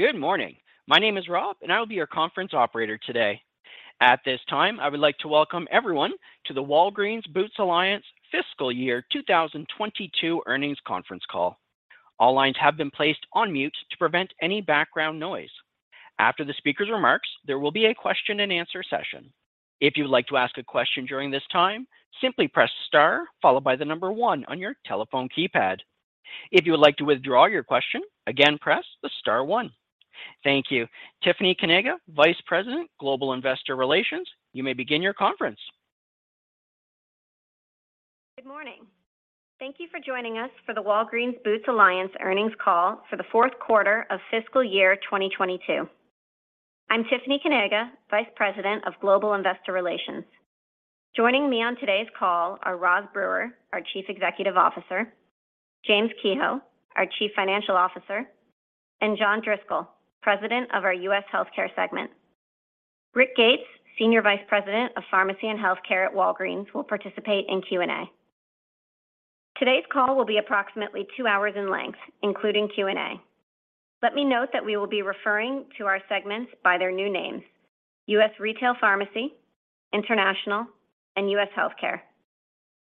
Good morning. My name is Rob, and I will be your conference operator today. At this time, I would like to welcome everyone to the Walgreens Boots Alliance Fiscal Year 2022 earnings conference call. All lines have been placed on mute to prevent any background noise. After the speaker's remarks, there will be a question-and-answer session. If you would like to ask a question during this time, simply press star followed by the number one on your telephone keypad. If you would like to withdraw your question, again, press the star one. Thank you. Tiffany Kanaga, Vice President, Global Investor Relations, you may begin your conference. Good morning. Thank you for joining us for the Walgreens Boots Alliance earnings call for the fourth quarter of fiscal year 2022. I'm Tiffany Kanaga, Vice President of Global Investor Relations. Joining me on today's call are Roz Brewer, our Chief Executive Officer, James Kehoe, our Chief Financial Officer, and John Driscoll, President of our U.S. Healthcare segment. Rick Gates, Senior Vice President of Pharmacy and Healthcare at Walgreens, will participate in Q&A. Today's call will be approximately 2 hours in length, including Q&A. Let me note that we will be referring to our segments by their new names: U.S. Retail Pharmacy, International, and U.S. Healthcare.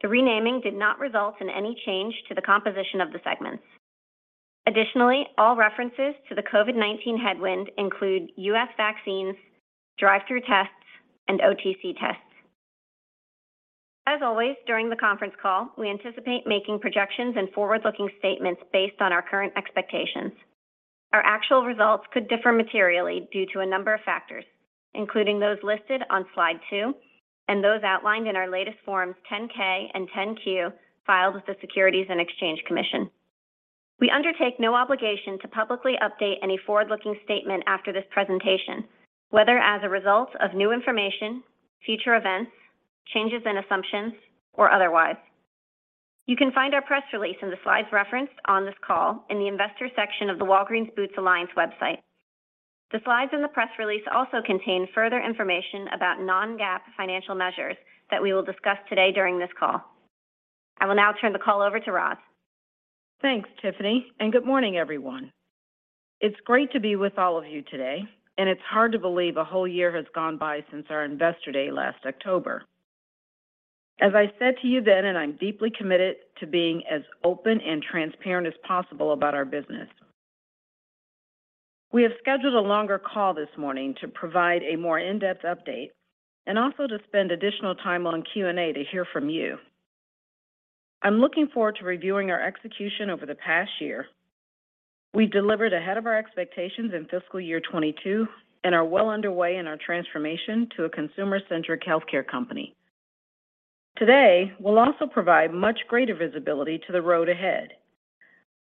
The renaming did not result in any change to the composition of the segments. Additionally, all references to the COVID-19 headwind include U.S. vaccines, drive-through tests, and OTC tests. As always, during the conference call, we anticipate making projections and forward-looking statements based on our current expectations. Our actual results could differ materially due to a number of factors, including those listed on slide 2 and those outlined in our latest forms 10-K and 10-Q filed with the Securities and Exchange Commission. We undertake no obligation to publicly update any forward-looking statement after this presentation, whether as a result of new information, future events, changes in assumptions, or otherwise. You can find our press release and the slides referenced on this call in the investor section of the Walgreens Boots Alliance website. The slides and the press release also contain further information about non-GAAP financial measures that we will discuss today during this call. I will now turn the call over to Roz. Thanks, Tiffany, and good morning, everyone. It's great to be with all of you today, and it's hard to believe a whole year has gone by since our investor day last October. As I said to you then, and I'm deeply committed to being as open and transparent as possible about our business. We have scheduled a longer call this morning to provide a more in-depth update and also to spend additional time on Q&A to hear from you. I'm looking forward to reviewing our execution over the past year. We delivered ahead of our expectations in fiscal year 2022 and are well underway in our transformation to a consumer-centric healthcare company. Today, we'll also provide much greater visibility to the road ahead.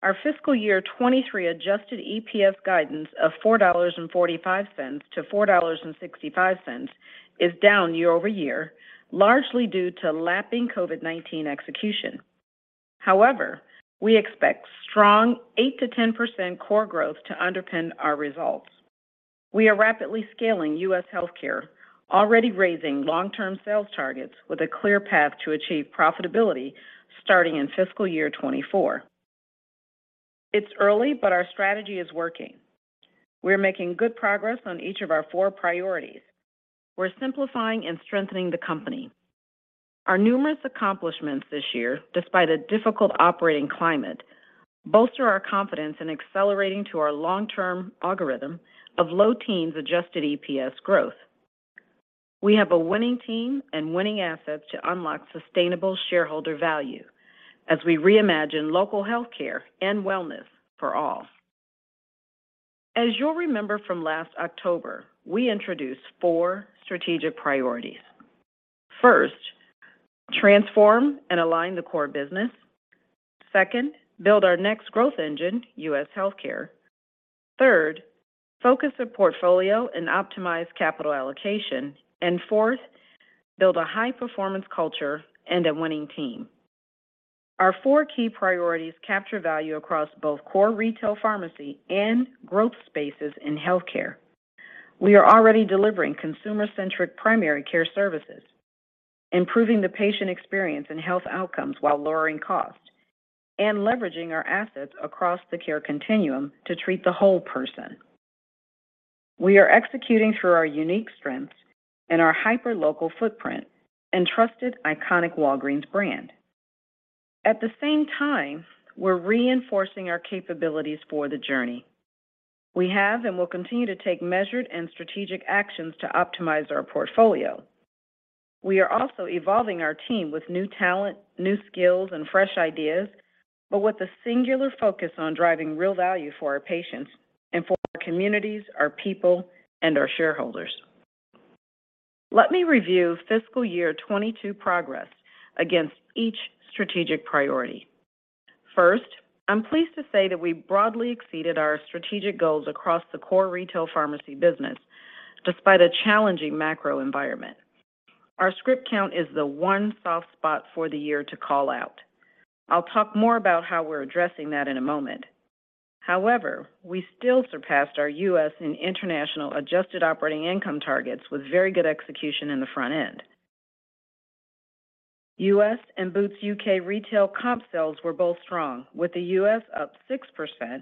Our fiscal year 2023 adjusted EPS guidance of $4.45-$4.65 is down year-over-year, largely due to lapping COVID-19 execution. However, we expect strong 8%-10% core growth to underpin our results. We are rapidly scaling U.S. Healthcare, already raising long-term sales targets with a clear path to achieve profitability starting in fiscal year 2024. It's early, but our strategy is working. We're making good progress on each of our four priorities. We're simplifying and strengthening the company. Our numerous accomplishments this year, despite a difficult operating climate, bolster our confidence in accelerating to our long-term algorithm of low teens adjusted EPS growth. We have a winning team and winning assets to unlock sustainable shareholder value as we reimagine local healthcare and wellness for all. As you'll remember from last October, we introduced four strategic priorities. First, transform and align the core business. Second, build our next growth engine, U.S. Healthcare. Third, focus the portfolio and optimize capital allocation. Fourth, build a high-performance culture and a winning team. Our four key priorities capture value across both core retail pharmacy and growth spaces in healthcare. We are already delivering consumer-centric primary care services, improving the patient experience and health outcomes while lowering cost, and leveraging our assets across the care continuum to treat the whole person. We are executing through our unique strengths and our hyperlocal footprint and trusted iconic Walgreens brand. At the same time, we're reinforcing our capabilities for the journey. We have and will continue to take measured and strategic actions to optimize our portfolio. We are also evolving our team with new talent, new skills, and fresh ideas, but with a singular focus on driving real value for our patients and for our communities, our people, and our shareholders. Let me review fiscal year 2022 progress against each strategic priority. First, I'm pleased to say that we broadly exceeded our strategic goals across the core retail pharmacy business despite a challenging macro environment. Our script count is the one soft spot for the year to call out. I'll talk more about how we're addressing that in a moment. However, we still surpassed our U.S. and international adjusted operating income targets with very good execution in the front end. U.S. and Boots UK retail comp sales were both strong, with the U.S. up 6%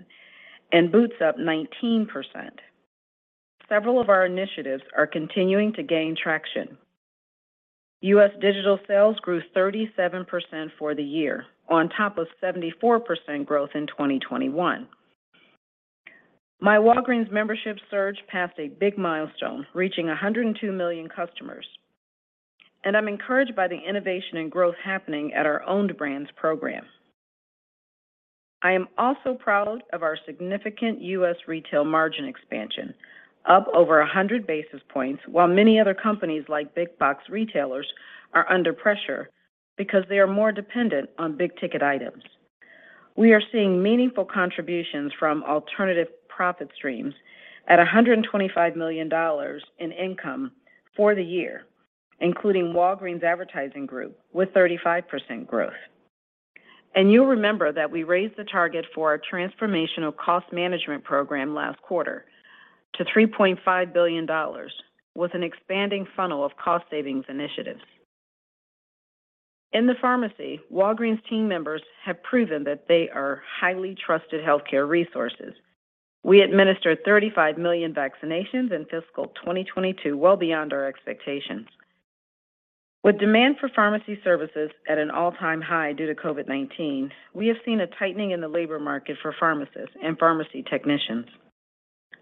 and Boots up 19%. Several of our initiatives are continuing to gain traction. U.S. digital sales grew 37% for the year on top of 74% growth in 2021. My Walgreens membership surge passed a big milestone, reaching 102 million customers. I'm encouraged by the innovation and growth happening at our owned brands program. I am also proud of our significant U.S. retail margin expansion, up over 100 basis points, while many other companies like big box retailers are under pressure because they are more dependent on big-ticket items. We are seeing meaningful contributions from alternative profit streams at $125 million in income for the year, including Walgreens Advertising Group with 35% growth. You'll remember that we raised the target for our transformational cost management program last quarter to $3.5 billion with an expanding funnel of cost savings initiatives. In the pharmacy, Walgreens team members have proven that they are highly trusted healthcare resources. We administered 35 million vaccinations in fiscal 2022, well beyond our expectations. With demand for pharmacy services at an all-time high due to COVID-19, we have seen a tightening in the labor market for pharmacists and pharmacy technicians.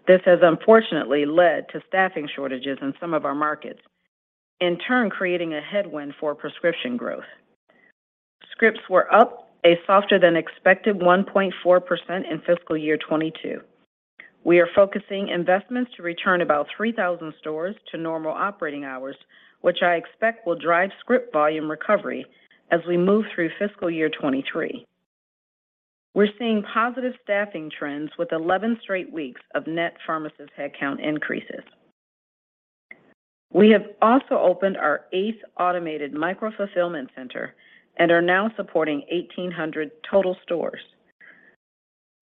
This has unfortunately led to staffing shortages in some of our markets, in turn creating a headwind for prescription growth. Scripts were up a softer than expected 1.4% in fiscal year 2022. We are focusing investments to return about 3,000 stores to normal operating hours, which I expect will drive script volume recovery as we move through fiscal year 2023. We're seeing positive staffing trends with 11 straight weeks of net pharmacist headcount increases. We have also opened our 8th automated micro-fulfillment center and are now supporting 1,800 total stores.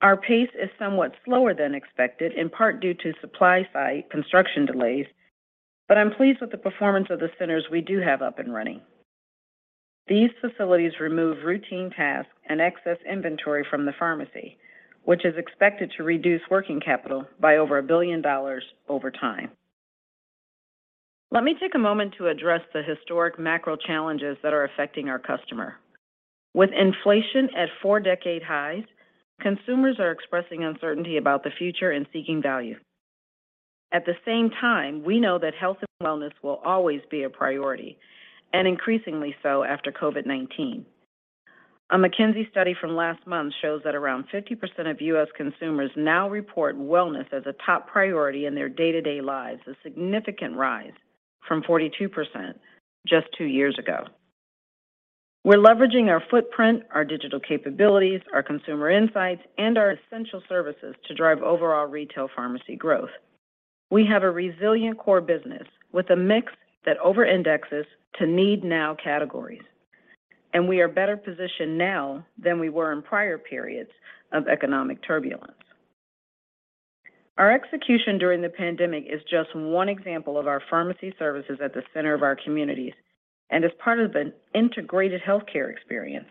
Our pace is somewhat slower than expected, in part due to supply site construction delays, but I'm pleased with the performance of the centers we do have up and running. These facilities remove routine tasks and excess inventory from the pharmacy, which is expected to reduce working capital by over $1 billion over time. Let me take a moment to address the historic macro challenges that are affecting our customer. With inflation at four-decade highs, consumers are expressing uncertainty about the future and seeking value. At the same time, we know that health and wellness will always be a priority, and increasingly so after COVID-19. A McKinsey study from last month shows that around 50% of U.S. consumers now report wellness as a top priority in their day-to-day lives, a significant rise from 42% just 2 years ago. We're leveraging our footprint, our digital capabilities, our consumer insights, and our essential services to drive overall retail pharmacy growth. We have a resilient core business with a mix that overindexes to need now categories, and we are better positioned now than we were in prior periods of economic turbulence. Our execution during the pandemic is just one example of our pharmacy services at the center of our communities and as part of an integrated healthcare experience.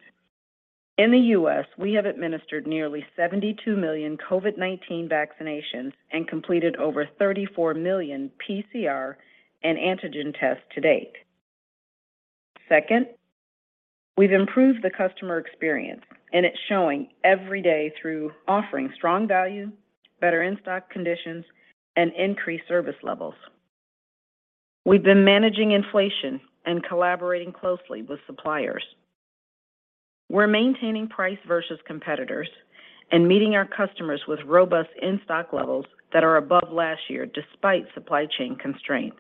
In the U.S., we have administered nearly 72 million COVID-19 vaccinations and completed over 34 million PCR and antigen tests to date. Second, we've improved the customer experience, and it's showing every day through offering strong value, better in-stock conditions, and increased service levels. We've been managing inflation and collaborating closely with suppliers. We're maintaining price versus competitors and meeting our customers with robust in-stock levels that are above last year despite supply chain constraints.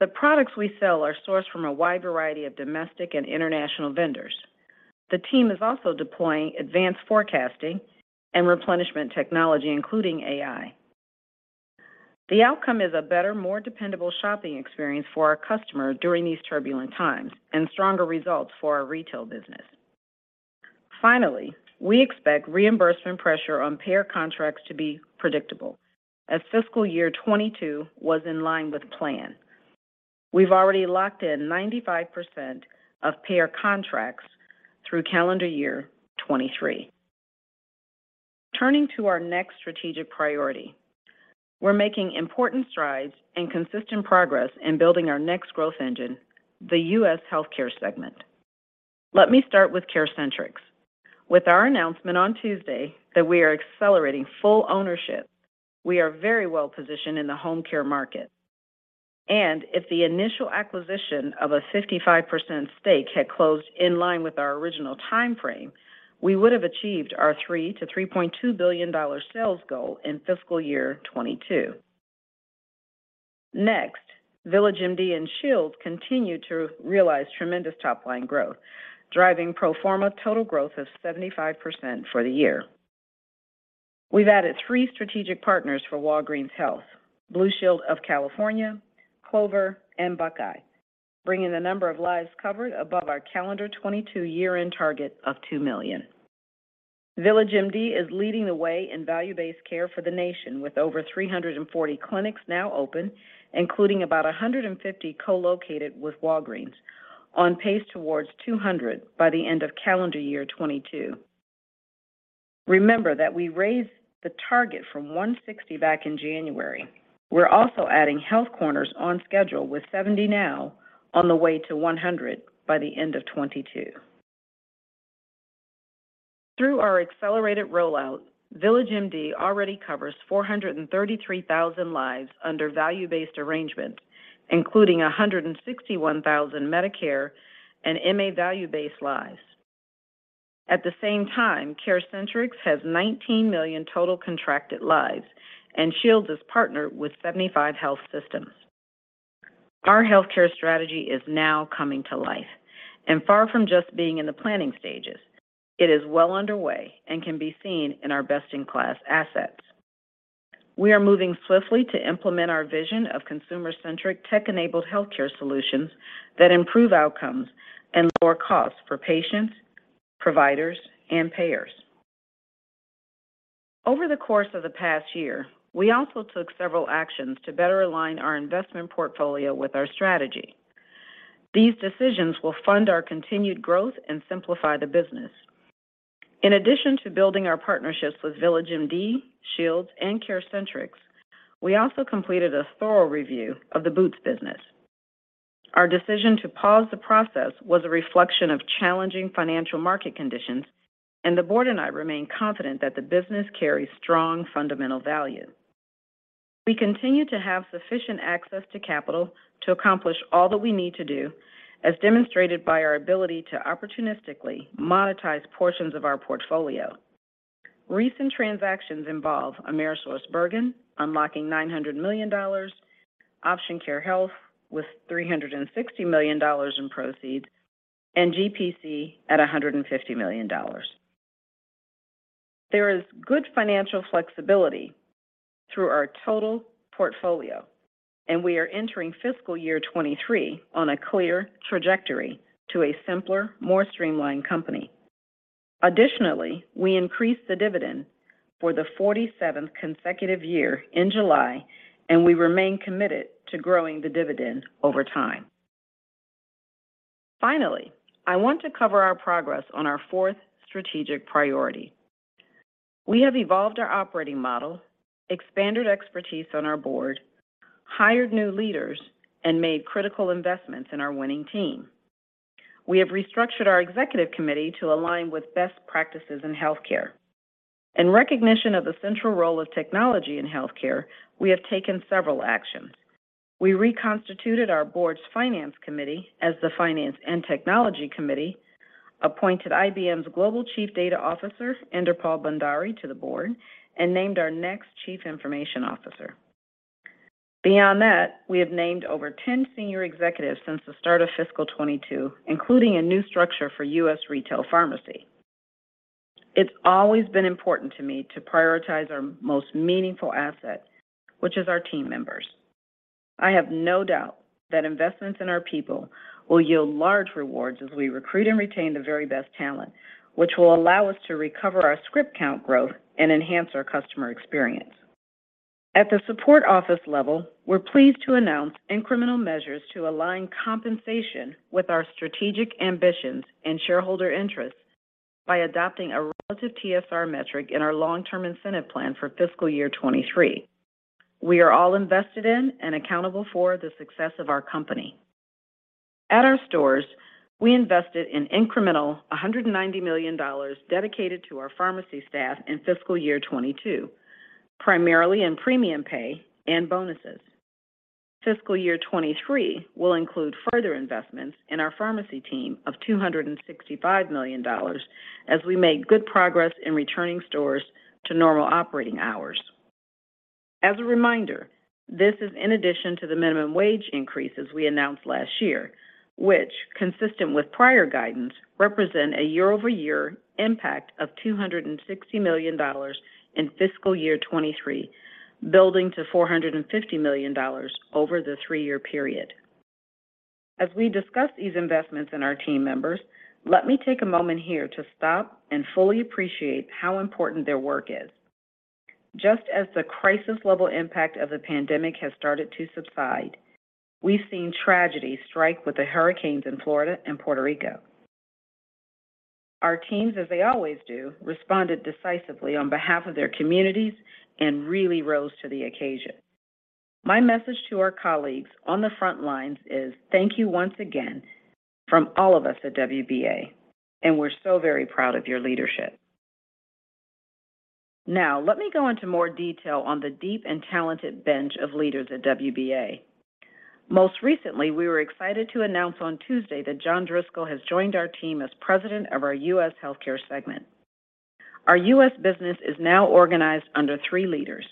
The products we sell are sourced from a wide variety of domestic and international vendors. The team is also deploying advanced forecasting and replenishment technology, including AI. The outcome is a better, more dependable shopping experience for our customer during these turbulent times and stronger results for our retail business. Finally, we expect reimbursement pressure on payer contracts to be predictable as fiscal year 2022 was in line with plan. We've already locked in 95% of payer contracts through calendar year 2023. Turning to our next strategic priority, we're making important strides and consistent progress in building our next growth engine, the U.S. Healthcare segment. Let me start with CareCentrix. With our announcement on Tuesday that we are accelerating full ownership, we are very well-positioned in the home care market. If the initial acquisition of a 55% stake had closed in line with our original timeframe, we would have achieved our $3-$3.2 billion sales goal in fiscal year 2022. Next, VillageMD and Shields continue to realize tremendous top-line growth, driving pro forma total growth of 75% for the year. We've added three strategic partners for Walgreens Health, Blue Shield of California, Clover Health, and Buckeye Health Plan, bringing the number of lives covered above our calendar 2022 year-end target of 2 million. VillageMD is leading the way in value-based care for the nation with over 340 clinics now open, including about 150 co-located with Walgreens, on pace towards 200 by the end of calendar year 2022. Remember that we raised the target from 160 back in January. We're also adding health corners on schedule with 70 now on the way to 100 by the end of 2022. Through our accelerated rollout, VillageMD already covers 433,000 lives under value-based arrangement, including 161,000 Medicare and MA value-based lives. At the same time, CareCentrix has 19 million total contracted lives, and Shields is partnered with 75 health systems. Our healthcare strategy is now coming to life. Far from just being in the planning stages, it is well underway and can be seen in our best-in-class assets. We are moving swiftly to implement our vision of consumer-centric tech-enabled healthcare solutions that improve outcomes and lower costs for patients, providers, and payers. Over the course of the past year, we also took several actions to better align our investment portfolio with our strategy. These decisions will fund our continued growth and simplify the business. In addition to building our partnerships with VillageMD, Shields, and CareCentrix, we also completed a thorough review of the Boots business. Our decision to pause the process was a reflection of challenging financial market conditions, and the board and I remain confident that the business carries strong fundamental value. We continue to have sufficient access to capital to accomplish all that we need to do, as demonstrated by our ability to opportunistically monetize portions of our portfolio. Recent transactions involve AmerisourceBergen unlocking $900 million, Option Care Health with $360 million in proceeds, and GPC at $150 million. There is good financial flexibility through our total portfolio, and we are entering fiscal year 2023 on a clear trajectory to a simpler, more streamlined company. Additionally, we increased the dividend for the 47th consecutive year in July, and we remain committed to growing the dividend over time. Finally, I want to cover our progress on our fourth strategic priority. We have evolved our operating model, expanded expertise on our board, hired new leaders, and made critical investments in our winning team. We have restructured our executive committee to align with best practices in healthcare. In recognition of the central role of technology in healthcare, we have taken several actions. We reconstituted our board's finance committee as the finance and technology committee, appointed IBM's Global Chief Data Officer, Inderpal Bhandari, to the board, and named our next Chief Information Officer. Beyond that, we have named over 10 senior executives since the start of fiscal 2022, including a new structure for U.S. Retail Pharmacy. It's always been important to me to prioritize our most meaningful asset, which is our team members. I have no doubt that investments in our people will yield large rewards as we recruit and retain the very best talent, which will allow us to recover our script count growth and enhance our customer experience. At the support office level, we're pleased to announce incremental measures to align compensation with our strategic ambitions and shareholder interests by adopting a relative TSR metric in our long-term incentive plan for fiscal year 2023. We are all invested in and accountable for the success of our company. At our stores, we invested in incremental $190 million dedicated to our pharmacy staff in fiscal year 2022, primarily in premium pay and bonuses. Fiscal year 2023 will include further investments in our pharmacy team of $265 million as we make good progress in returning stores to normal operating hours. As a reminder, this is in addition to the minimum wage increases we announced last year, which consistent with prior guidance, represent a year-over-year impact of $260 million in fiscal year 2023, building to $450 million over the three-year period. As we discuss these investments in our team members, let me take a moment here to stop and fully appreciate how important their work is. Just as the crisis-level impact of the pandemic has started to subside, we've seen tragedy strike with the hurricanes in Florida and Puerto Rico. Our teams, as they always do, responded decisively on behalf of their communities and really rose to the occasion. My message to our colleagues on the front lines is thank you once again from all of us at WBA, and we're so very proud of your leadership. Now, let me go into more detail on the deep and talented bench of leaders at WBA. Most recently, we were excited to announce on Tuesday that John Driscoll has joined our team as president of our U.S. Healthcare segment. Our U.S. business is now organized under three leaders: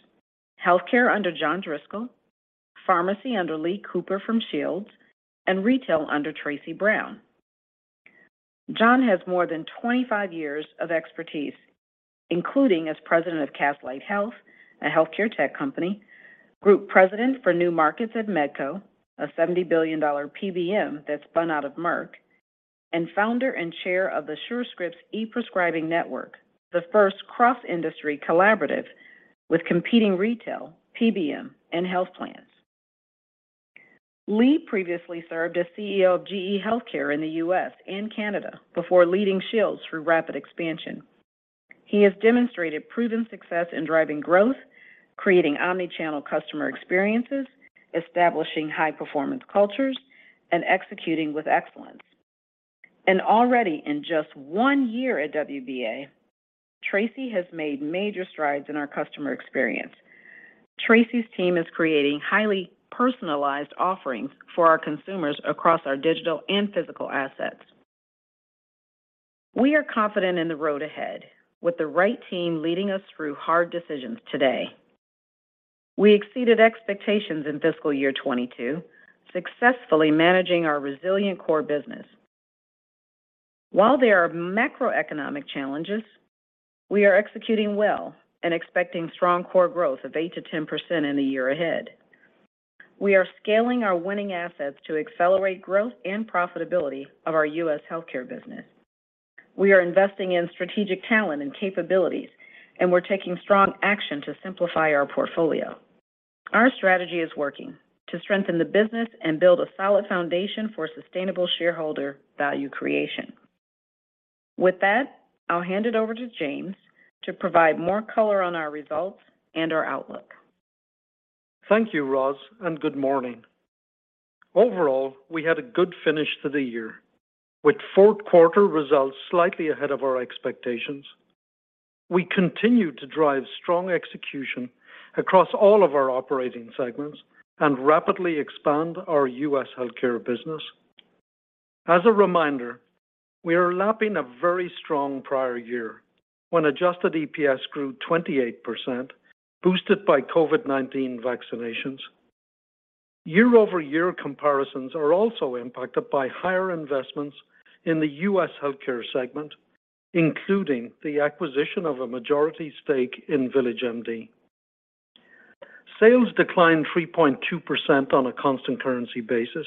healthcare under John Driscoll, pharmacy under Lee Cooper from Shields, and retail under Tracey Brown. John has more than 25 years of expertise, including as president of Castlight Health, a healthcare tech company. Group President for New Markets at Medco, a $70 billion PBM that spun out of Merck, and Founder and Chair of the Surescripts e-Prescribing Network, the first cross-industry collaborative with competing retail, PBM, and health plans. Lee previously served as CEO of GE HealthCare in the U.S. and Canada before leading Shields through rapid expansion. He has demonstrated proven success in driving growth, creating omni-channel customer experiences, establishing high-performance cultures, and executing with excellence. Already in just one year at WBA, Tracey has made major strides in our customer experience. Tracey's team is creating highly personalized offerings for our consumers across our digital and physical assets. We are confident in the road ahead with the right team leading us through hard decisions today. We exceeded expectations in fiscal year 2022, successfully managing our resilient core business. While there are macroeconomic challenges, we are executing well and expecting strong core growth of 8%-10% in the year ahead. We are scaling our winning assets to accelerate growth and profitability of our U.S. Healthcare business. We are investing in strategic talent and capabilities, and we're taking strong action to simplify our portfolio. Our strategy is working to strengthen the business and build a solid foundation for sustainable shareholder value creation. With that, I'll hand it over to James to provide more color on our results and our outlook. Thank you, Roz, and good morning. Overall, we had a good finish to the year, with fourth quarter results slightly ahead of our expectations. We continued to drive strong execution across all of our operating segments and rapidly expand our U.S. Healthcare business. As a reminder, we are lapping a very strong prior year when adjusted EPS grew 28%, boosted by COVID-19 vaccinations. Year-over-year comparisons are also impacted by higher investments in the U.S. Healthcare segment, including the acquisition of a majority stake in VillageMD. Sales declined 3.2% on a constant currency basis.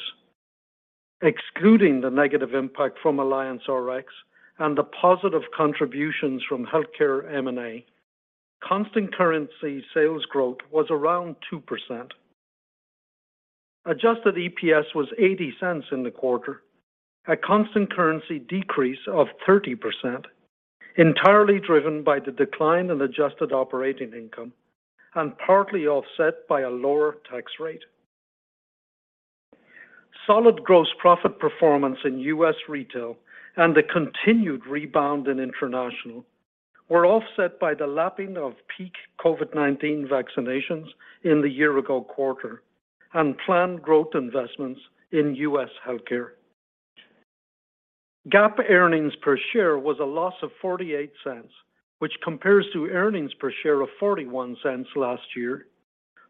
Excluding the negative impact from AllianceRx and the positive contributions from Healthcare M&A, constant currency sales growth was around 2%. Adjusted EPS was $0.80 in the quarter, a constant currency decrease of 30%, entirely driven by the decline in adjusted operating income and partly offset by a lower tax rate. Solid gross profit performance in U.S. Retail and the continued rebound in International were offset by the lapping of peak COVID-19 vaccinations in the year-ago quarter and planned growth investments in U.S. Healthcare. GAAP earnings per share was a loss of $0.48, which compares to earnings per share of $0.41 last year,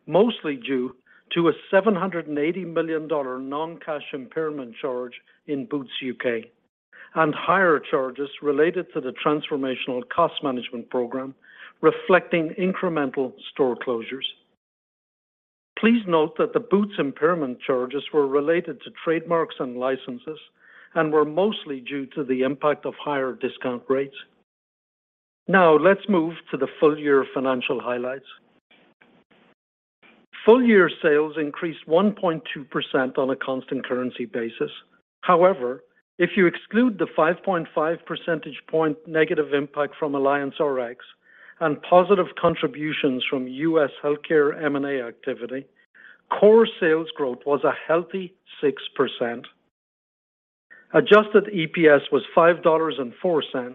mostly due to a $780 million non-cash impairment charge in Boots UK and higher charges related to the transformational cost management program reflecting incremental store closures. Please note that the Boots impairment charges were related to trademarks and licenses and were mostly due to the impact of higher discount rates. Now let's move to the full-year financial highlights. Full-year sales increased 1.2% on a constant currency basis. However, if you exclude the 5.5 percentage point negative impact from AllianceRx and positive contributions from U.S. Healthcare M&A activity, core sales growth was a healthy 6%. Adjusted EPS was $5.04,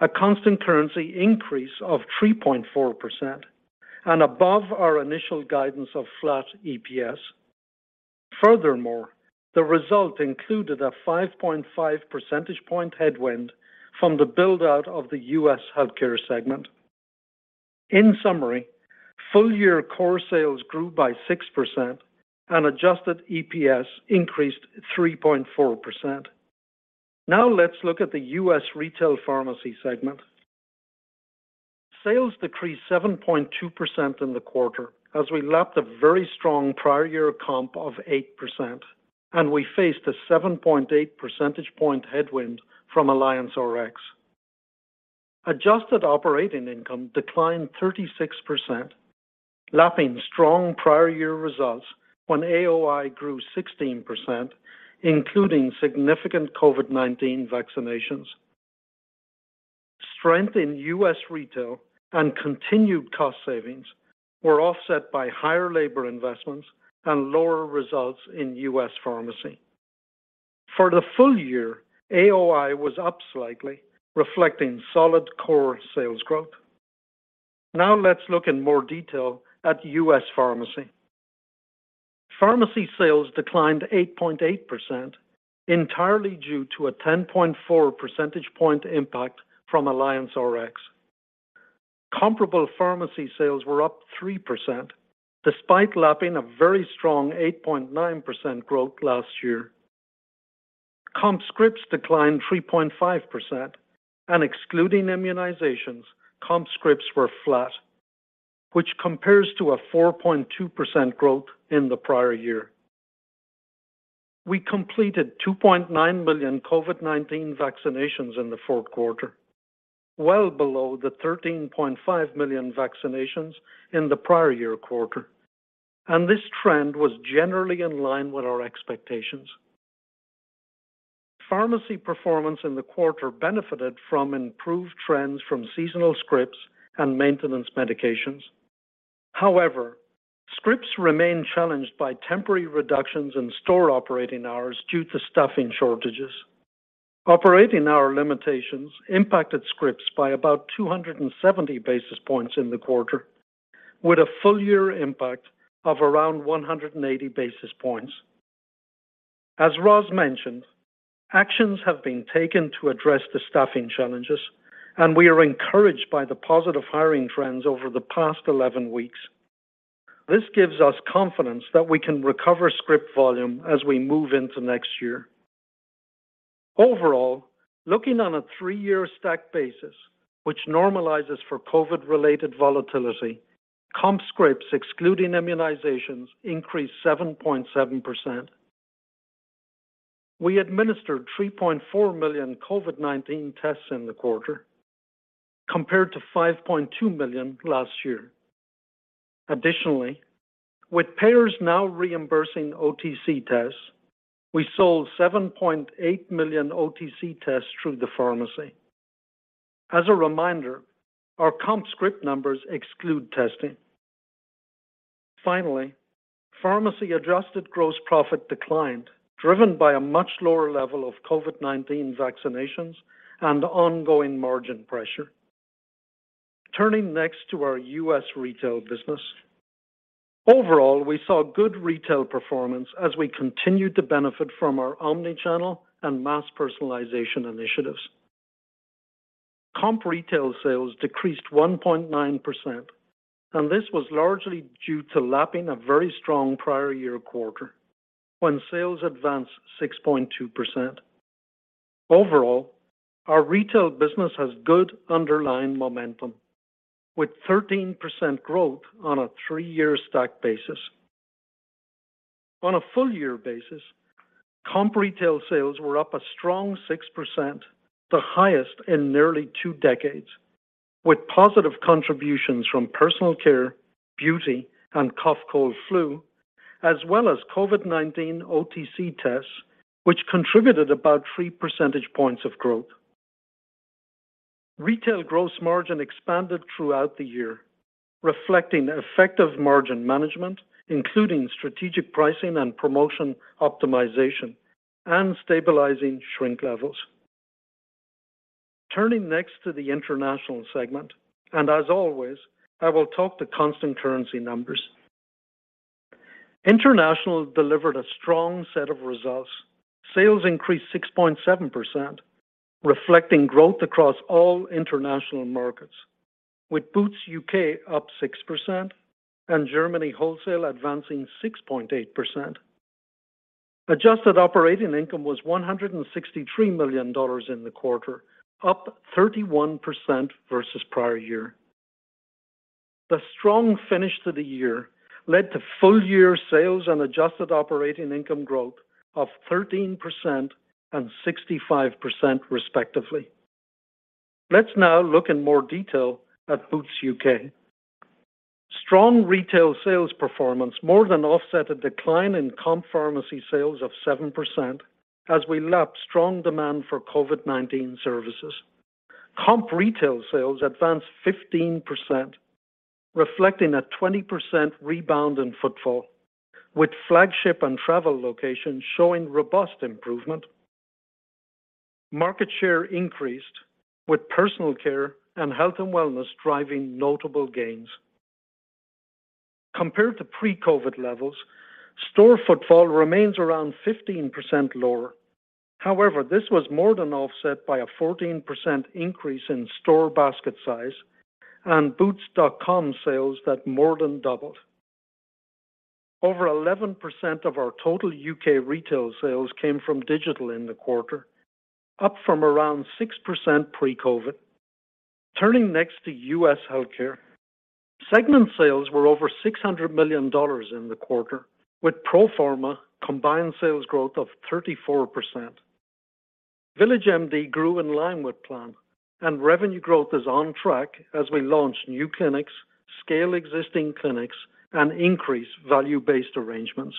a constant currency increase of 3.4% and above our initial guidance of flat EPS. Furthermore, the result included a 5.5 percentage point headwind from the build-out of the U.S. Healthcare segment. In summary, full-year core sales grew by 6% and adjusted EPS increased 3.4%. Now let's look at the U.S. Retail Pharmacy segment. Sales decreased 7.2% in the quarter as we lapped a very strong prior year comp of 8% and we faced a 7.8 percentage point headwind from AllianceRx. Adjusted operating income declined 36%, lapping strong prior year results when AOI grew 16%, including significant COVID-19 vaccinations. Strength in U.S. Retail and continued cost savings were offset by higher labor investments and lower results in U.S. Pharmacy. For the full year, AOI was up slightly, reflecting solid core sales growth. Now let's look in more detail at U.S. Pharmacy. Pharmacy sales declined 8.8%, entirely due to a 10.4 percentage point impact from AllianceRx. Comparable pharmacy sales were up 3% despite lapping a very strong 8.9% growth last year. Comp scripts declined 3.5%, and excluding immunizations, comp scripts were flat, which compares to a 4.2% growth in the prior year. We completed 2.9 million COVID-19 vaccinations in the fourth quarter, well below the 13.5 million vaccinations in the prior year quarter. This trend was generally in line with our expectations. Pharmacy performance in the quarter benefited from improved trends from seasonal scripts and maintenance medications. However, scripts remain challenged by temporary reductions in store operating hours due to staffing shortages. Operating hour limitations impacted scripts by about 270 basis points in the quarter, with a full year impact of around 180 basis points. As Roz mentioned, actions have been taken to address the staffing challenges, and we are encouraged by the positive hiring trends over the past 11 weeks. This gives us confidence that we can recover script volume as we move into next year. Overall, looking on a three-year stack basis, which normalizes for COVID-related volatility, comp scripts excluding immunizations increased 7.7%. We administered 3.4 million COVID-19 tests in the quarter, compared to 5.2 million last year. Additionally, with payers now reimbursing OTC tests, we sold 7.8 million OTC tests through the pharmacy. As a reminder, our comp script numbers exclude testing. Finally, pharmacy adjusted gross profit declined, driven by a much lower level of COVID-19 vaccinations and ongoing margin pressure. Turning next to our U.S. retail business. Overall, we saw good retail performance as we continued to benefit from our omni-channel and mass personalization initiatives. Comp retail sales decreased 1.9%, and this was largely due to lapping a very strong prior year quarter when sales advanced 6.2%. Overall, our retail business has good underlying momentum with 13% growth on a 3-year stack basis. On a full year basis, comp retail sales were up a strong 6%, the highest in nearly two decades, with positive contributions from personal care, beauty, and cough, cold, flu, as well as COVID-19 OTC tests, which contributed about 3 percentage points of growth. Retail gross margin expanded throughout the year, reflecting effective margin management, including strategic pricing and promotion optimization and stabilizing shrink levels. Turning next to the international segment, and as always, I will talk to constant currency numbers. International delivered a strong set of results. Sales increased 6.7%, reflecting growth across all international markets, with Boots UK up 6% and Germany wholesale advancing 6.8%. Adjusted operating income was $163 million in the quarter, up 31% versus prior year. The strong finish to the year led to full-year sales and adjusted operating income growth of 13% and 65%, respectively. Let's now look in more detail at Boots UK. Strong retail sales performance more than offset a decline in comp pharmacy sales of 7% as we lapped strong demand for COVID-19 services. Comp retail sales advanced 15%, reflecting a 20% rebound in footfall, with flagship and travel locations showing robust improvement. Market share increased with personal care and health and wellness driving notable gains. Compared to pre-COVID levels, store footfall remains around 15% lower. However, this was more than offset by a 14% increase in store basket size and Boots.com sales that more than doubled. Over 11% of our total U.K. retail sales came from digital in the quarter, up from around 6% pre-COVID. Turning next to U.S. Healthcare. Segment sales were over $600 million in the quarter, with pro forma combined sales growth of 34%. VillageMD grew in line with plan, and revenue growth is on track as we launch new clinics, scale existing clinics, and increase value-based arrangements.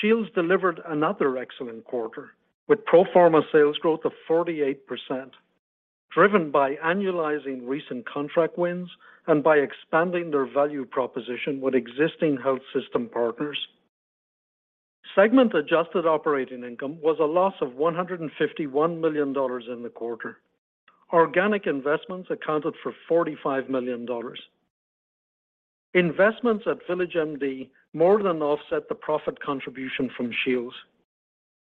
Shields delivered another excellent quarter with pro forma sales growth of 48%, driven by annualizing recent contract wins and by expanding their value proposition with existing health system partners. Segment adjusted operating income was a loss of $151 million in the quarter. Organic investments accounted for $45 million. Investments at VillageMD more than offset the profit contribution from Shields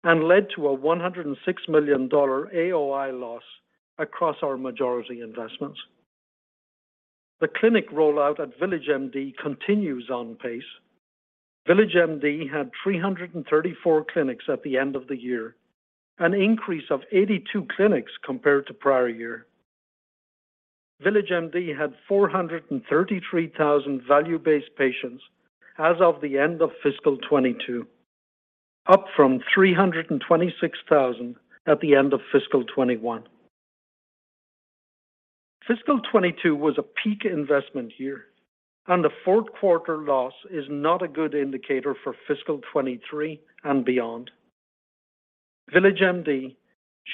and led to a $106 million AOI loss across our majority investments. The clinic rollout at VillageMD continues on pace. VillageMD had 334 clinics at the end of the year, an increase of 82 clinics compared to prior year. VillageMD had 433,000 value-based patients as of the end of fiscal 2022, up from 326,000 at the end of fiscal 2021. Fiscal 2022 was a peak investment year, and the fourth quarter loss is not a good indicator for fiscal 2023 and beyond. VillageMD,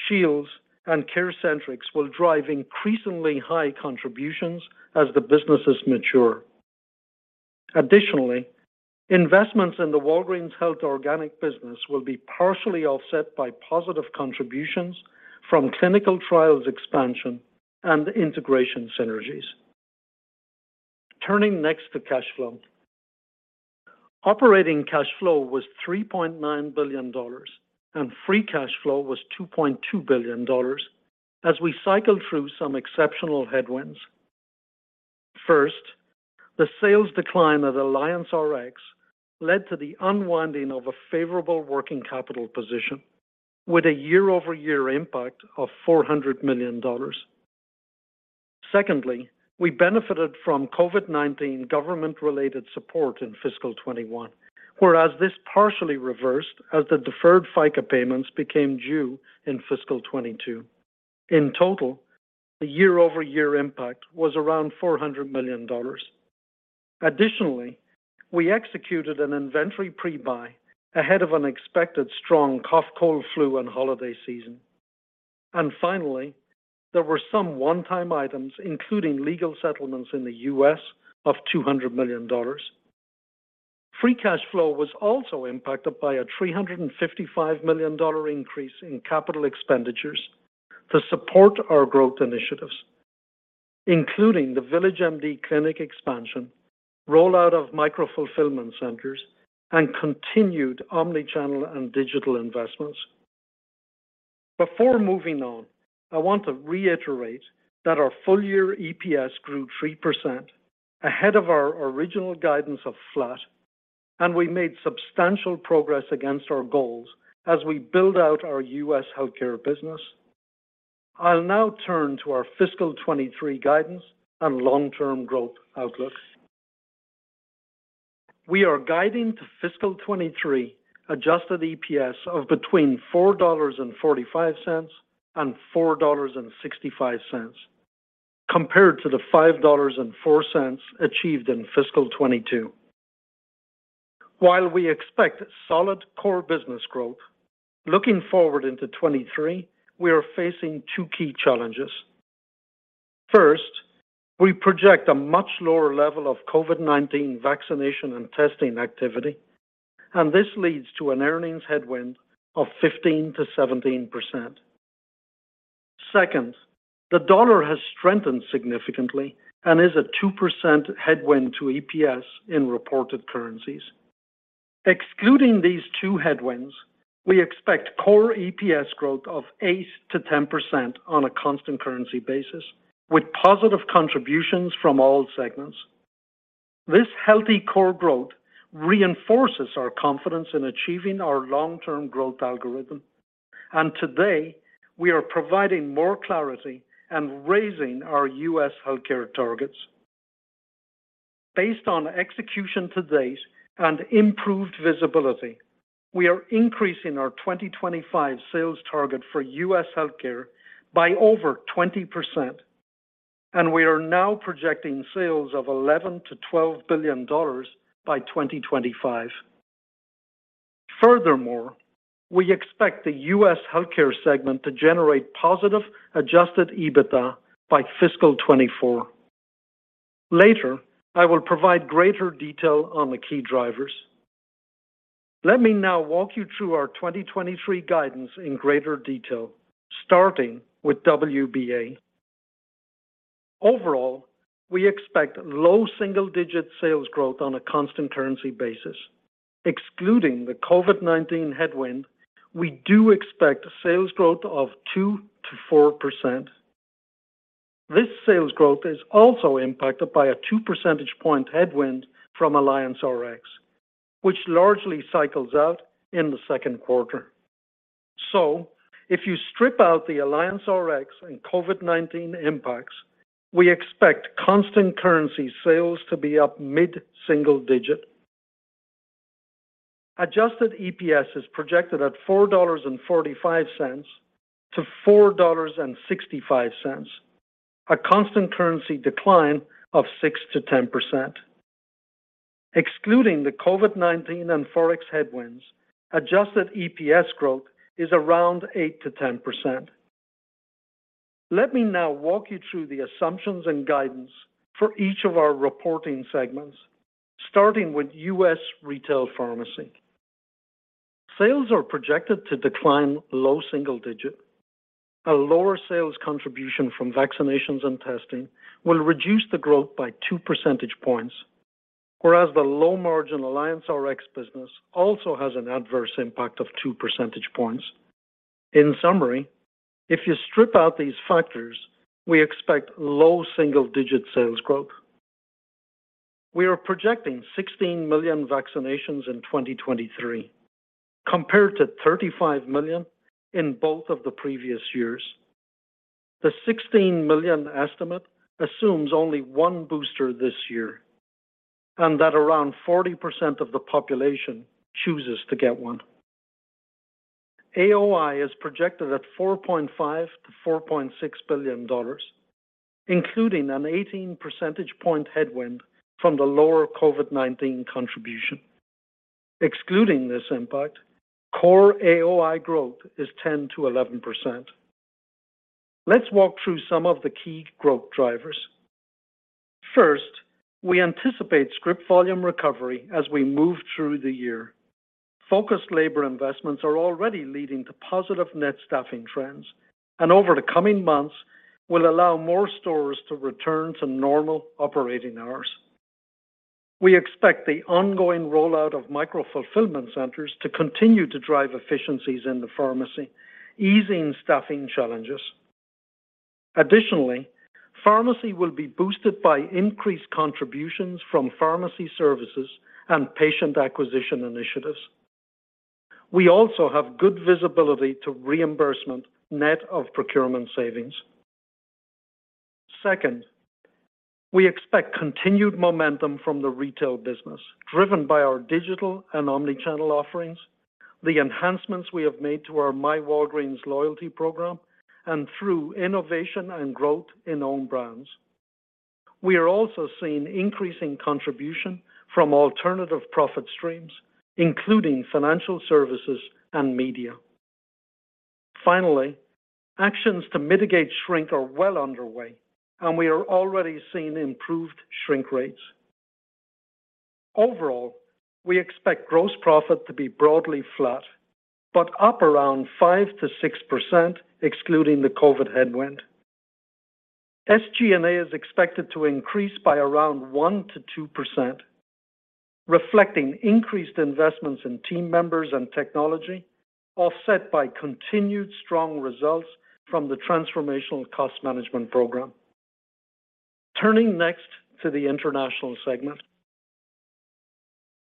Shields, and CareCentrix will drive increasingly high contributions as the businesses mature. Additionally, investments in the Walgreens Health organic business will be partially offset by positive contributions from clinical trials expansion and integration synergies. Turning next to cash flow. Operating cash flow was $3.9 billion, and free cash flow was $2.2 billion as we cycled through some exceptional headwinds. First, the sales decline at AllianceRx led to the unwinding of a favorable working capital position with a year-over-year impact of $400 million. Secondly, we benefited from COVID-19 government-related support in fiscal 2021, whereas this partially reversed as the deferred FICA payments became due in fiscal 2022. In total, the year-over-year impact was around $400 million. Additionally, we executed an inventory pre-buy ahead of an expected strong cough, cold, flu, and holiday season. Finally, there were some one-time items, including legal settlements in the U.S. of $200 million. Free cash flow was also impacted by a $355 million increase in capital expenditures to support our growth initiatives, including the VillageMD clinic expansion, rollout of micro-fulfillment centers, and continued omnichannel and digital investments. Before moving on, I want to reiterate that our full-year EPS grew 3% ahead of our original guidance of flat, and we made substantial progress against our goals as we build out our U.S. Healthcare business. I'll now turn to our fiscal 2023 guidance and long-term growth outlooks. We are guiding to fiscal 2023 adjusted EPS of between $4.45 and $4.65 compared to the $5.04 achieved in fiscal 2022. While we expect solid core business growth, looking forward into 2023, we are facing two key challenges. First, we project a much lower level of COVID-19 vaccination and testing activity, and this leads to an earnings headwind of 15%-17%. Second, the dollar has strengthened significantly and is a 2% headwind to EPS in reported currencies. Excluding these two headwinds, we expect core EPS growth of 8%-10% on a constant currency basis, with positive contributions from all segments. This healthy core growth reinforces our confidence in achieving our long-term growth algorithm. Today, we are providing more clarity and raising our U.S. Healthcare targets. Based on execution to date and improved visibility, we are increasing our 2025 sales target for U.S. Healthcare by over 20%, and we are now projecting sales of $11 billion-$12 billion by 2025. Furthermore, we expect the U.S. Healthcare segment to generate positive adjusted EBITDA by fiscal 2024. Later, I will provide greater detail on the key drivers. Let me now walk you through our 2023 guidance in greater detail, starting with WBA. Overall, we expect low single-digit sales growth on a constant currency basis. Excluding the COVID-19 headwind, we do expect sales growth of 2%-4%. This sales growth is also impacted by a 2-percentage point headwind from AllianceRx, which largely cycles out in the second quarter. If you strip out the AllianceRx and COVID-19 impacts, we expect constant currency sales to be up mid-single digit. Adjusted EPS is projected at $4.45-$4.65, a constant currency decline of 6%-10%. Excluding the COVID-19 and Forex headwinds, adjusted EPS growth is around 8%-10%. Let me now walk you through the assumptions and guidance for each of our reporting segments, starting with U.S. Retail Pharmacy. Sales are projected to decline low single-digit. A lower sales contribution from vaccinations and testing will reduce the growth by 2 percentage points. Whereas the low-margin AllianceRx business also has an adverse impact of 2 percentage points. In summary, if you strip out these factors, we expect low single-digit sales growth. We are projecting 16 million vaccinations in 2023 compared to 35 million in both of the previous years. The 16 million estimate assumes only 1 booster this year, and that around 40% of the population chooses to get one. AOI is projected at $4.5-$4.6 billion, including an 18 percentage point headwind from the lower COVID-19 contribution. Excluding this impact, core AOI growth is 10%-11%. Let's walk through some of the key growth drivers. First, we anticipate script volume recovery as we move through the year. Focused labor investments are already leading to positive net staffing trends and over the coming months will allow more stores to return to normal operating hours. We expect the ongoing rollout of micro-fulfillment centers to continue to drive efficiencies in the pharmacy, easing staffing challenges. Additionally, pharmacy will be boosted by increased contributions from pharmacy services and patient acquisition initiatives. We also have good visibility to reimbursement net of procurement savings. Second, we expect continued momentum from the retail business, driven by our digital and omnichannel offerings, the enhancements we have made to our myWalgreens loyalty program, and through innovation and growth in own brands. We are also seeing increasing contribution from alternative profit streams, including financial services and media. Finally, actions to mitigate shrink are well underway, and we are already seeing improved shrink rates. Overall, we expect gross profit to be broadly flat but up around 5%-6% excluding the COVID headwind. SG&A is expected to increase by around 1%-2%, reflecting increased investments in team members and technology, offset by continued strong results from the transformational cost management program. Turning next to the International segment.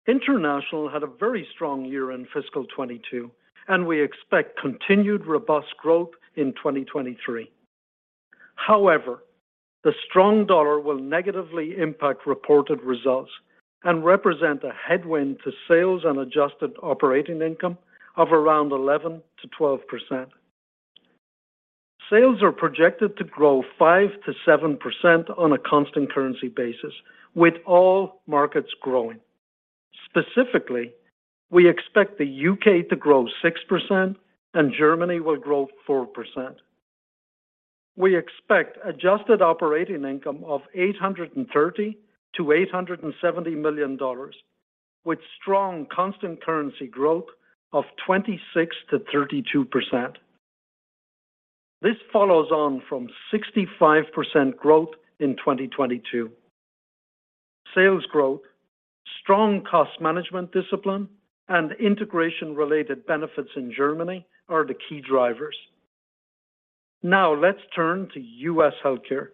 International had a very strong year in fiscal 2022, and we expect continued robust growth in 2023. However, the strong dollar will negatively impact reported results and represent a headwind to sales and adjusted operating income of around 11%-12%. Sales are projected to grow 5%-7% on a constant currency basis, with all markets growing. Specifically, we expect the U.K. to grow 6% and Germany will grow 4%. We expect adjusted operating income of $830 million-$870 million with strong constant currency growth of 26%-32%. This follows on from 65% growth in 2022. Sales growth, strong cost management discipline, and integration-related benefits in Germany are the key drivers. Now let's turn to U.S. Healthcare.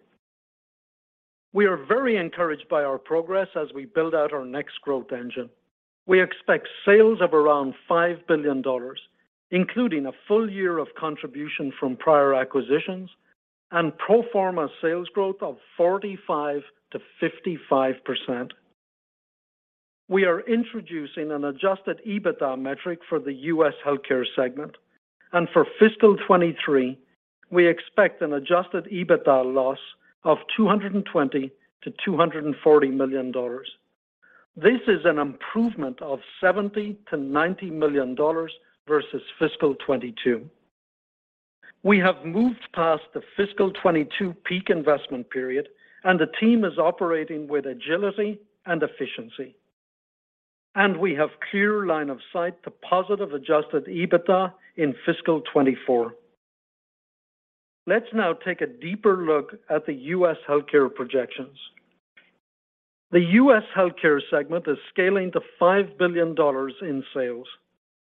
We are very encouraged by our progress as we build out our next growth engine. We expect sales of around $5 billion, including a full year of contribution from prior acquisitions and pro forma sales growth of 45%-55%. We are introducing an adjusted EBITDA metric for the U.S. Healthcare segment, and for fiscal 2023, we expect an adjusted EBITDA loss of $220 million-$240 million. This is an improvement of $70 million-$90 million versus fiscal 2022. We have moved past the fiscal 2022 peak investment period, and the team is operating with agility and efficiency. We have clear line of sight to positive adjusted EBITDA in fiscal 2024. Let's now take a deeper look at the U.S. Healthcare projections. The U.S. Healthcare segment is scaling to $5 billion in sales,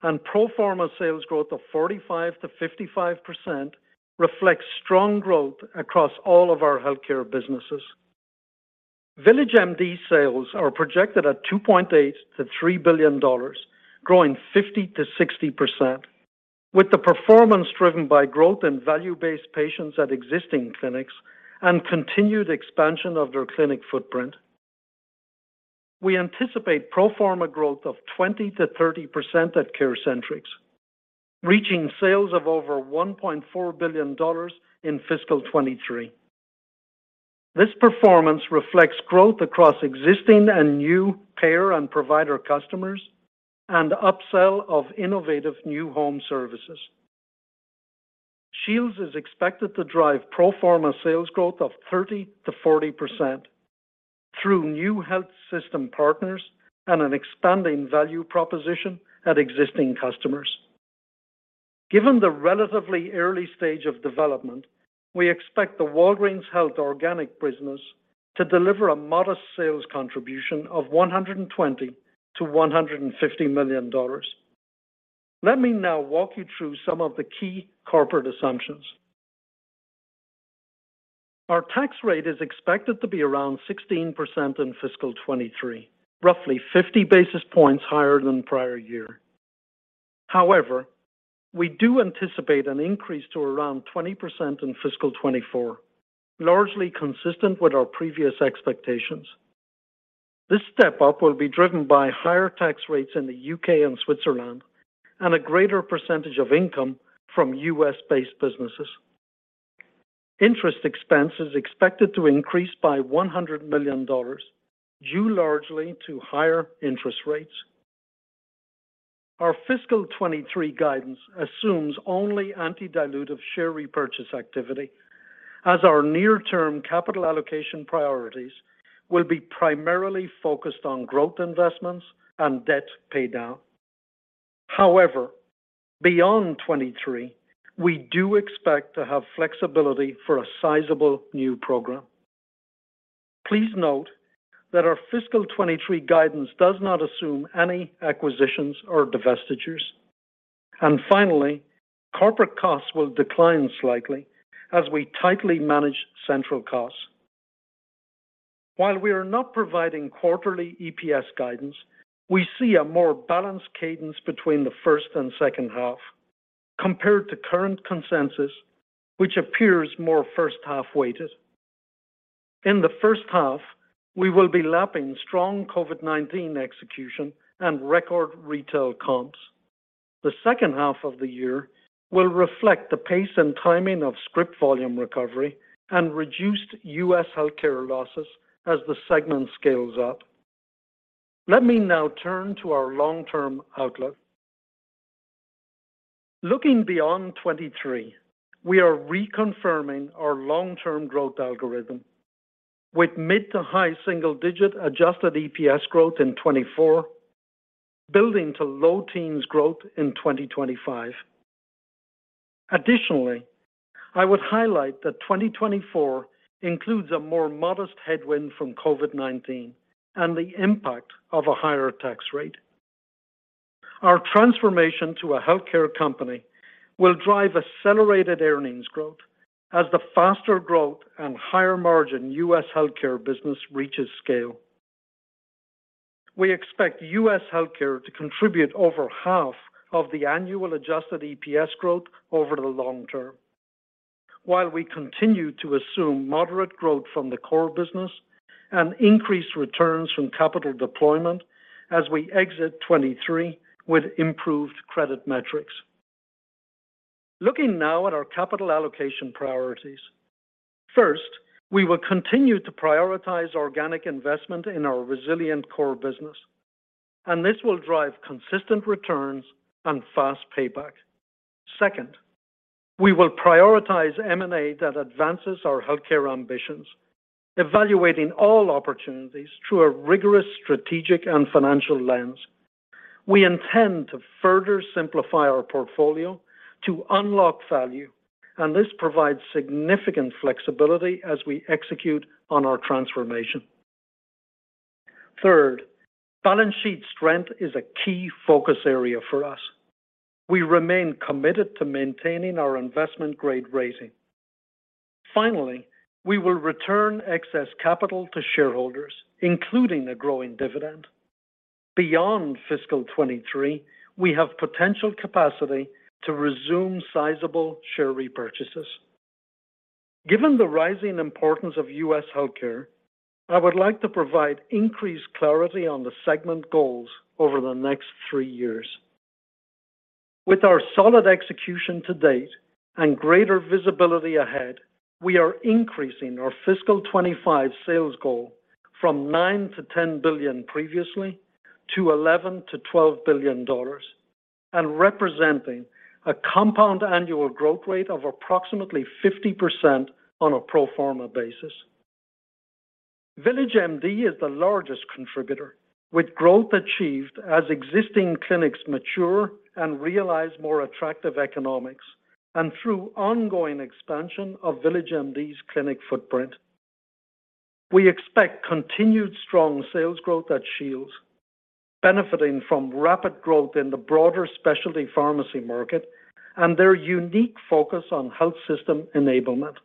and pro forma sales growth of 45%-55% reflects strong growth across all of our healthcare businesses. VillageMD sales are projected at $2.8 billion-$3 billion, growing 50%-60%, with the performance driven by growth in value-based patients at existing clinics and continued expansion of their clinic footprint. We anticipate pro forma growth of 20%-30% at CareCentrix, reaching sales of over $1.4 billion in fiscal 2023. This performance reflects growth across existing and new payer and provider customers and upsell of innovative new home services. Shields is expected to drive pro forma sales growth of 30%-40% through new health system partners and an expanding value proposition at existing customers. Given the relatively early stage of development, we expect the Walgreens Health Organic business to deliver a modest sales contribution of $120 million-$150 million. Let me now walk you through some of the key corporate assumptions. Our tax rate is expected to be around 16% in fiscal 2023, roughly 50 basis points higher than prior year. However, we do anticipate an increase to around 20% in fiscal 2024, largely consistent with our previous expectations. This step-up will be driven by higher tax rates in the U.K. and Switzerland and a greater percentage of income from U.S.-based businesses. Interest expense is expected to increase by $100 million, due largely to higher interest rates. Our fiscal 2023 guidance assumes only anti-dilutive share repurchase activity as our near-term capital allocation priorities will be primarily focused on growth investments and debt paydown. However, beyond 2023, we do expect to have flexibility for a sizable new program. Please note that our fiscal 2023 guidance does not assume any acquisitions or divestitures. Corporate costs will decline slightly as we tightly manage central costs. While we are not providing quarterly EPS guidance, we see a more balanced cadence between the first and second half compared to current consensus, which appears more first-half weighted. In the first half, we will be lapping strong COVID-19 execution and record retail comps. The second half of the year will reflect the pace and timing of script volume recovery and reduced U.S. Healthcare losses as the segment scales up. Let me now turn to our long-term outlook. Looking beyond 2023, we are reconfirming our long-term growth algorithm with mid to high single-digit adjusted EPS growth in 2024, building to low teens growth in 2025. Additionally, I would highlight that 2024 includes a more modest headwind from COVID-19 and the impact of a higher tax rate. Our transformation to a healthcare company will drive accelerated earnings growth as the faster growth and higher margin U.S. Healthcare business reaches scale. We expect U.S. Healthcare to contribute over half of the annual adjusted EPS growth over the long term while we continue to assume moderate growth from the core business and increase returns from capital deployment as we exit 2023 with improved credit metrics. Looking now at our capital allocation priorities. First, we will continue to prioritize organic investment in our resilient core business, and this will drive consistent returns and fast payback. Second, we will prioritize M&A that advances our healthcare ambitions, evaluating all opportunities through a rigorous strategic and financial lens. We intend to further simplify our portfolio to unlock value, and this provides significant flexibility as we execute on our transformation. Third, balance sheet strength is a key focus area for us. We remain committed to maintaining our investment grade rating. Finally, we will return excess capital to shareholders, including a growing dividend. Beyond fiscal 2023, we have potential capacity to resume sizable share repurchases. Given the rising importance of U.S. Healthcare, I would like to provide increased clarity on the segment goals over the next three years. With our solid execution to date and greater visibility ahead, we are increasing our fiscal 2025 sales goal from $9-$10 billion previously to $11-$12 billion and representing a compound annual growth rate of approximately 50% on a pro forma basis. VillageMD is the largest contributor, with growth achieved as existing clinics mature and realize more attractive economics and through ongoing expansion of VillageMD's clinic footprint. We expect continued strong sales growth at Shields, benefiting from rapid growth in the broader specialty pharmacy market and their unique focus on health system enablement.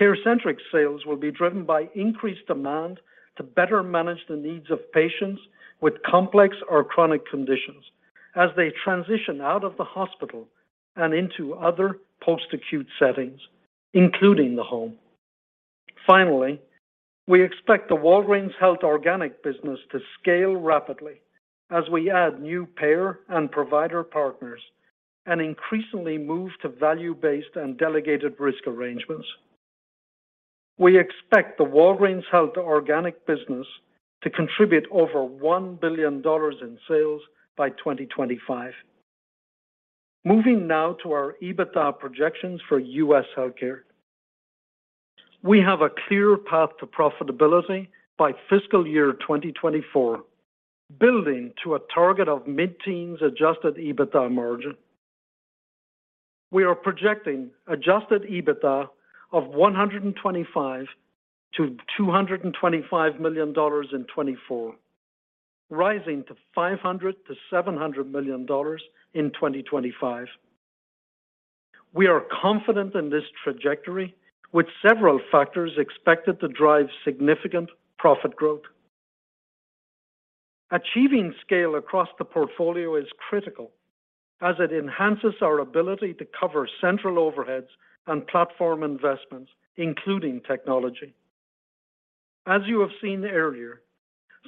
CareCentrix sales will be driven by increased demand to better manage the needs of patients with complex or chronic conditions as they transition out of the hospital and into other post-acute settings, including the home. Finally, we expect the Walgreens Health organic business to scale rapidly as we add new payer and provider partners and increasingly move to value-based and delegated risk arrangements. We expect the Walgreens Health organic business to contribute over $1 billion in sales by 2025. Moving now to our EBITDA projections for U.S. Healthcare. We have a clear path to profitability by fiscal year 2024, building to a target of mid-teens% adjusted EBITDA margin. We are projecting adjusted EBITDA of $125 million-$225 million in 2024, rising to $500 million-$700 million in 2025. We are confident in this trajectory, with several factors expected to drive significant profit growth. Achieving scale across the portfolio is critical as it enhances our ability to cover central overheads and platform investments, including technology. As you have seen earlier,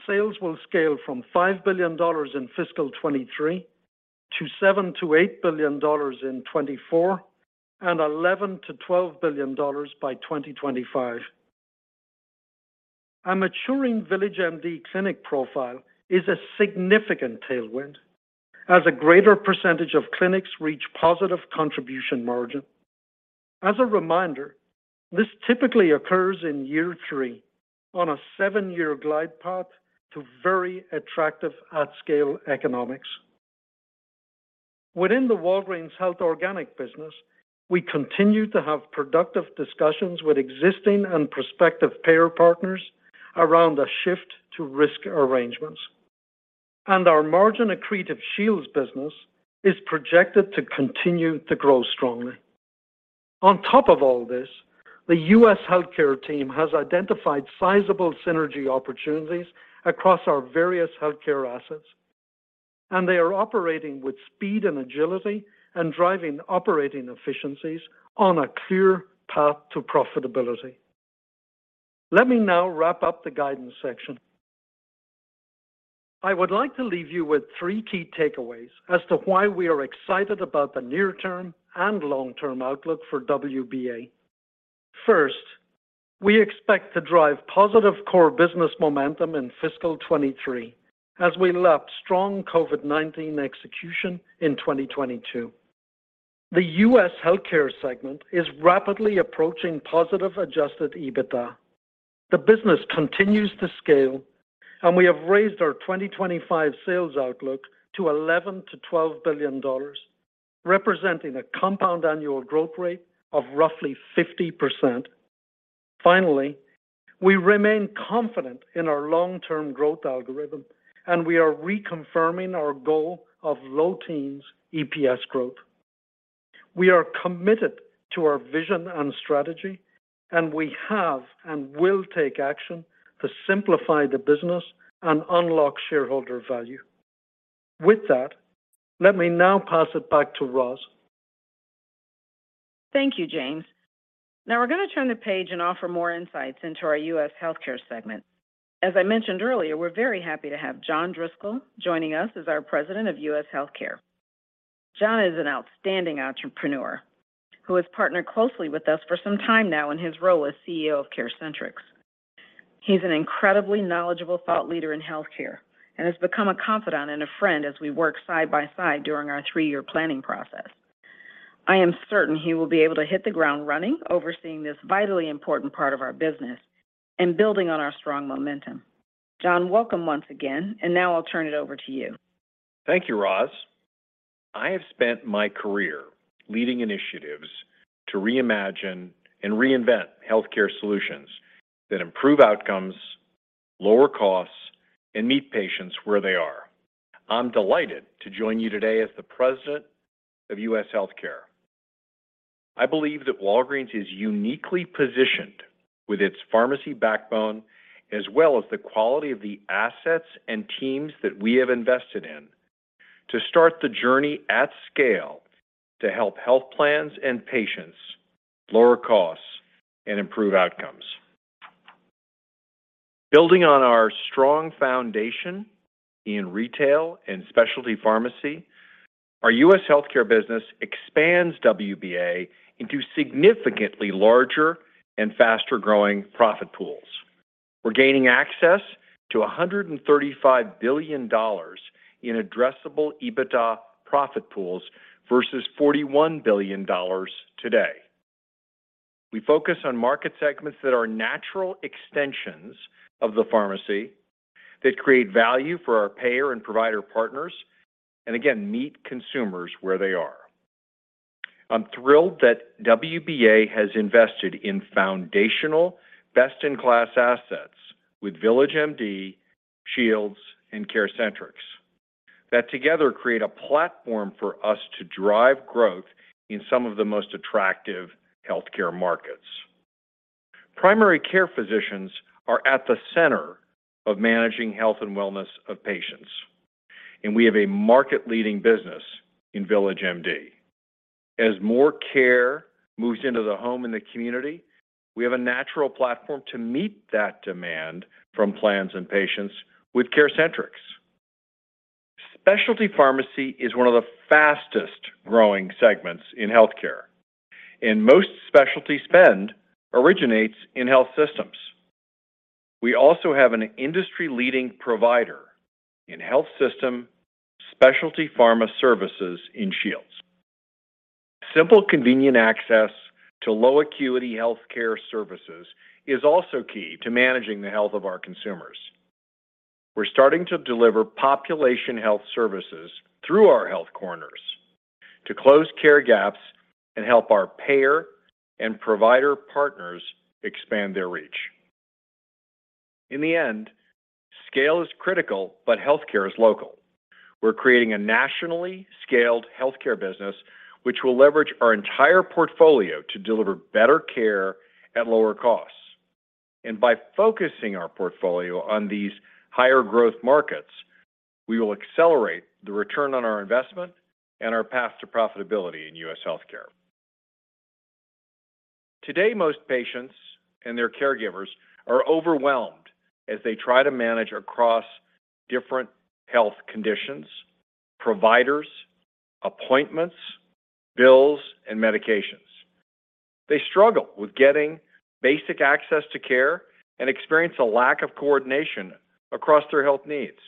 sales will scale from $5 billion in fiscal 2023 to $7 billion-$8 billion in 2024 and $11 billion-$12 billion by 2025. A maturing VillageMD clinic profile is a significant tailwind as a greater percentage of clinics reach positive contribution margin. As a reminder, this typically occurs in year 3 on a 7-year glide path to very attractive at-scale economics. Within the Walgreens Health organic business, we continue to have productive discussions with existing and prospective payer partners around a shift to risk arrangements. Our margin-accretive Shields business is projected to continue to grow strongly. On top of all this, the U.S. Healthcare team has identified sizable synergy opportunities across our various healthcare assets, and they are operating with speed and agility and driving operating efficiencies on a clear path to profitability. Let me now wrap up the guidance section. I would like to leave you with three key takeaways as to why we are excited about the near-term and long-term outlook for WBA. First, we expect to drive positive core business momentum in fiscal 2023 as we lap strong COVID-19 execution in 2022. The U.S. Healthcare segment is rapidly approaching positive adjusted EBITDA. The business continues to scale, and we have raised our 2025 sales outlook to $11 billion-$12 billion, representing a compound annual growth rate of roughly 50%. Finally, we remain confident in our long-term growth algorithm, and we are reconfirming our goal of low teens EPS growth. We are committed to our vision and strategy, and we have and will take action to simplify the business and unlock shareholder value. With that, let me now pass it back to Roz. Thank you, James. Now we're going to turn the page and offer more insights into our U.S. Healthcare segment. As I mentioned earlier, we're very happy to have John Driscoll joining us as our President of U.S. Healthcare. John is an outstanding entrepreneur who has partnered closely with us for some time now in his role as CEO of CareCentrix. He's an incredibly knowledgeable thought leader in healthcare and has become a confidant and a friend as we work side by side during our three-year planning process. I am certain he will be able to hit the ground running, overseeing this vitally important part of our business and building on our strong momentum. John, welcome once again, and now I'll turn it over to you. Thank you, Roz. I have spent my career leading initiatives to reimagine and reinvent healthcare solutions that improve outcomes, lower costs, and meet patients where they are. I'm delighted to join you today as the President of U.S. Healthcare. I believe that Walgreens is uniquely positioned with its pharmacy backbone as well as the quality of the assets and teams that we have invested in to start the journey at scale to help health plans and patients lower costs and improve outcomes. Building on our strong foundation in retail and specialty pharmacy, our U.S. healthcare business expands WBA into significantly larger and faster-growing profit pools. We're gaining access to $135 billion in addressable EBITDA profit pools versus $41 billion today. We focus on market segments that are natural extensions of the pharmacy that create value for our payer and provider partners and again, meet consumers where they are. I'm thrilled that WBA has invested in foundational best-in-class assets with VillageMD, Shields, and CareCentrix that together create a platform for us to drive growth in some of the most attractive healthcare markets. Primary care physicians are at the center of managing health and wellness of patients, and we have a market-leading business in VillageMD. As more care moves into the home and the community, we have a natural platform to meet that demand from plans and patients with CareCentrix. Specialty pharmacy is one of the fastest-growing segments in healthcare, and most specialty spend originates in health systems. We also have an industry-leading provider in health system specialty pharma services in Shields. Simple, convenient access to low acuity healthcare services is also key to managing the health of our consumers. We're starting to deliver population health services through our health corners to close care gaps and help our payer and provider partners expand their reach. In the end, scale is critical, but healthcare is local. We're creating a nationally scaled healthcare business which will leverage our entire portfolio to deliver better care at lower costs. By focusing our portfolio on these higher growth markets, we will accelerate the return on our investment and our path to profitability in U.S. Healthcare. Today, most patients and their caregivers are overwhelmed as they try to manage across different health conditions, providers, appointments, bills, and medications. They struggle with getting basic access to care and experience a lack of coordination across their health needs.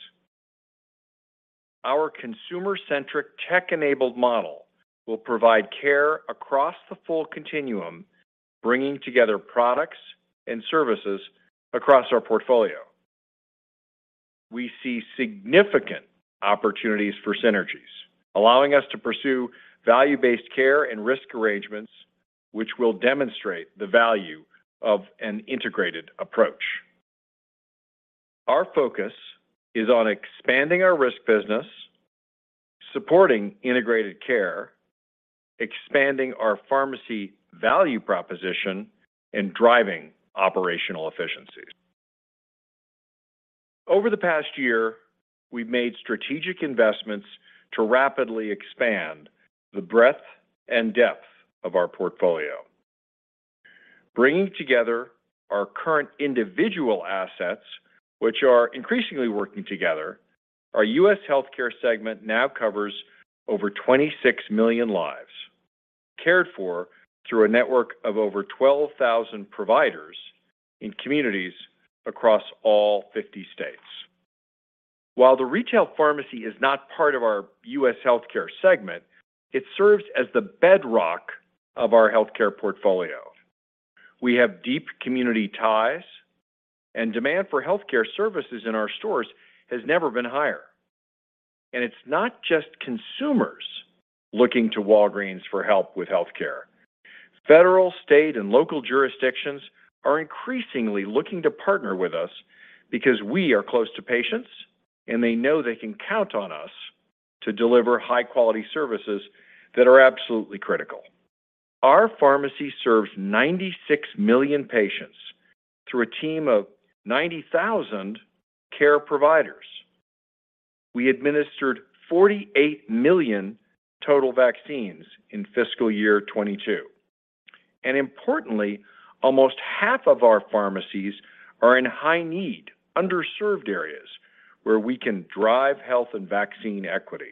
Our consumer-centric tech-enabled model will provide care across the full continuum, bringing together products and services across our portfolio. We see significant opportunities for synergies, allowing us to pursue value-based care and risk arrangements which will demonstrate the value of an integrated approach. Our focus is on expanding our risk business, supporting integrated care, expanding our pharmacy value proposition, and driving operational efficiencies. Over the past year, we've made strategic investments to rapidly expand the breadth and depth of our portfolio. Bringing together our current individual assets, which are increasingly working together, our U.S. Healthcare segment now covers over 26 million lives cared for through a network of over 12,000 providers in communities across all 50 states. While the U.S. Retail Pharmacy is not part of our U.S. Healthcare segment, it serves as the bedrock of our healthcare portfolio. We have deep community ties, and demand for healthcare services in our stores has never been higher. It's not just consumers looking to Walgreens for help with healthcare. Federal, state, and local jurisdictions are increasingly looking to partner with us because we are close to patients, and they know they can count on us to deliver high-quality services that are absolutely critical. Our pharmacy serves 96 million patients through a team of 90,000 care providers. We administered 48 million total vaccines in fiscal year 2022. Importantly, almost half of our pharmacies are in high-need, underserved areas where we can drive health and vaccine equity.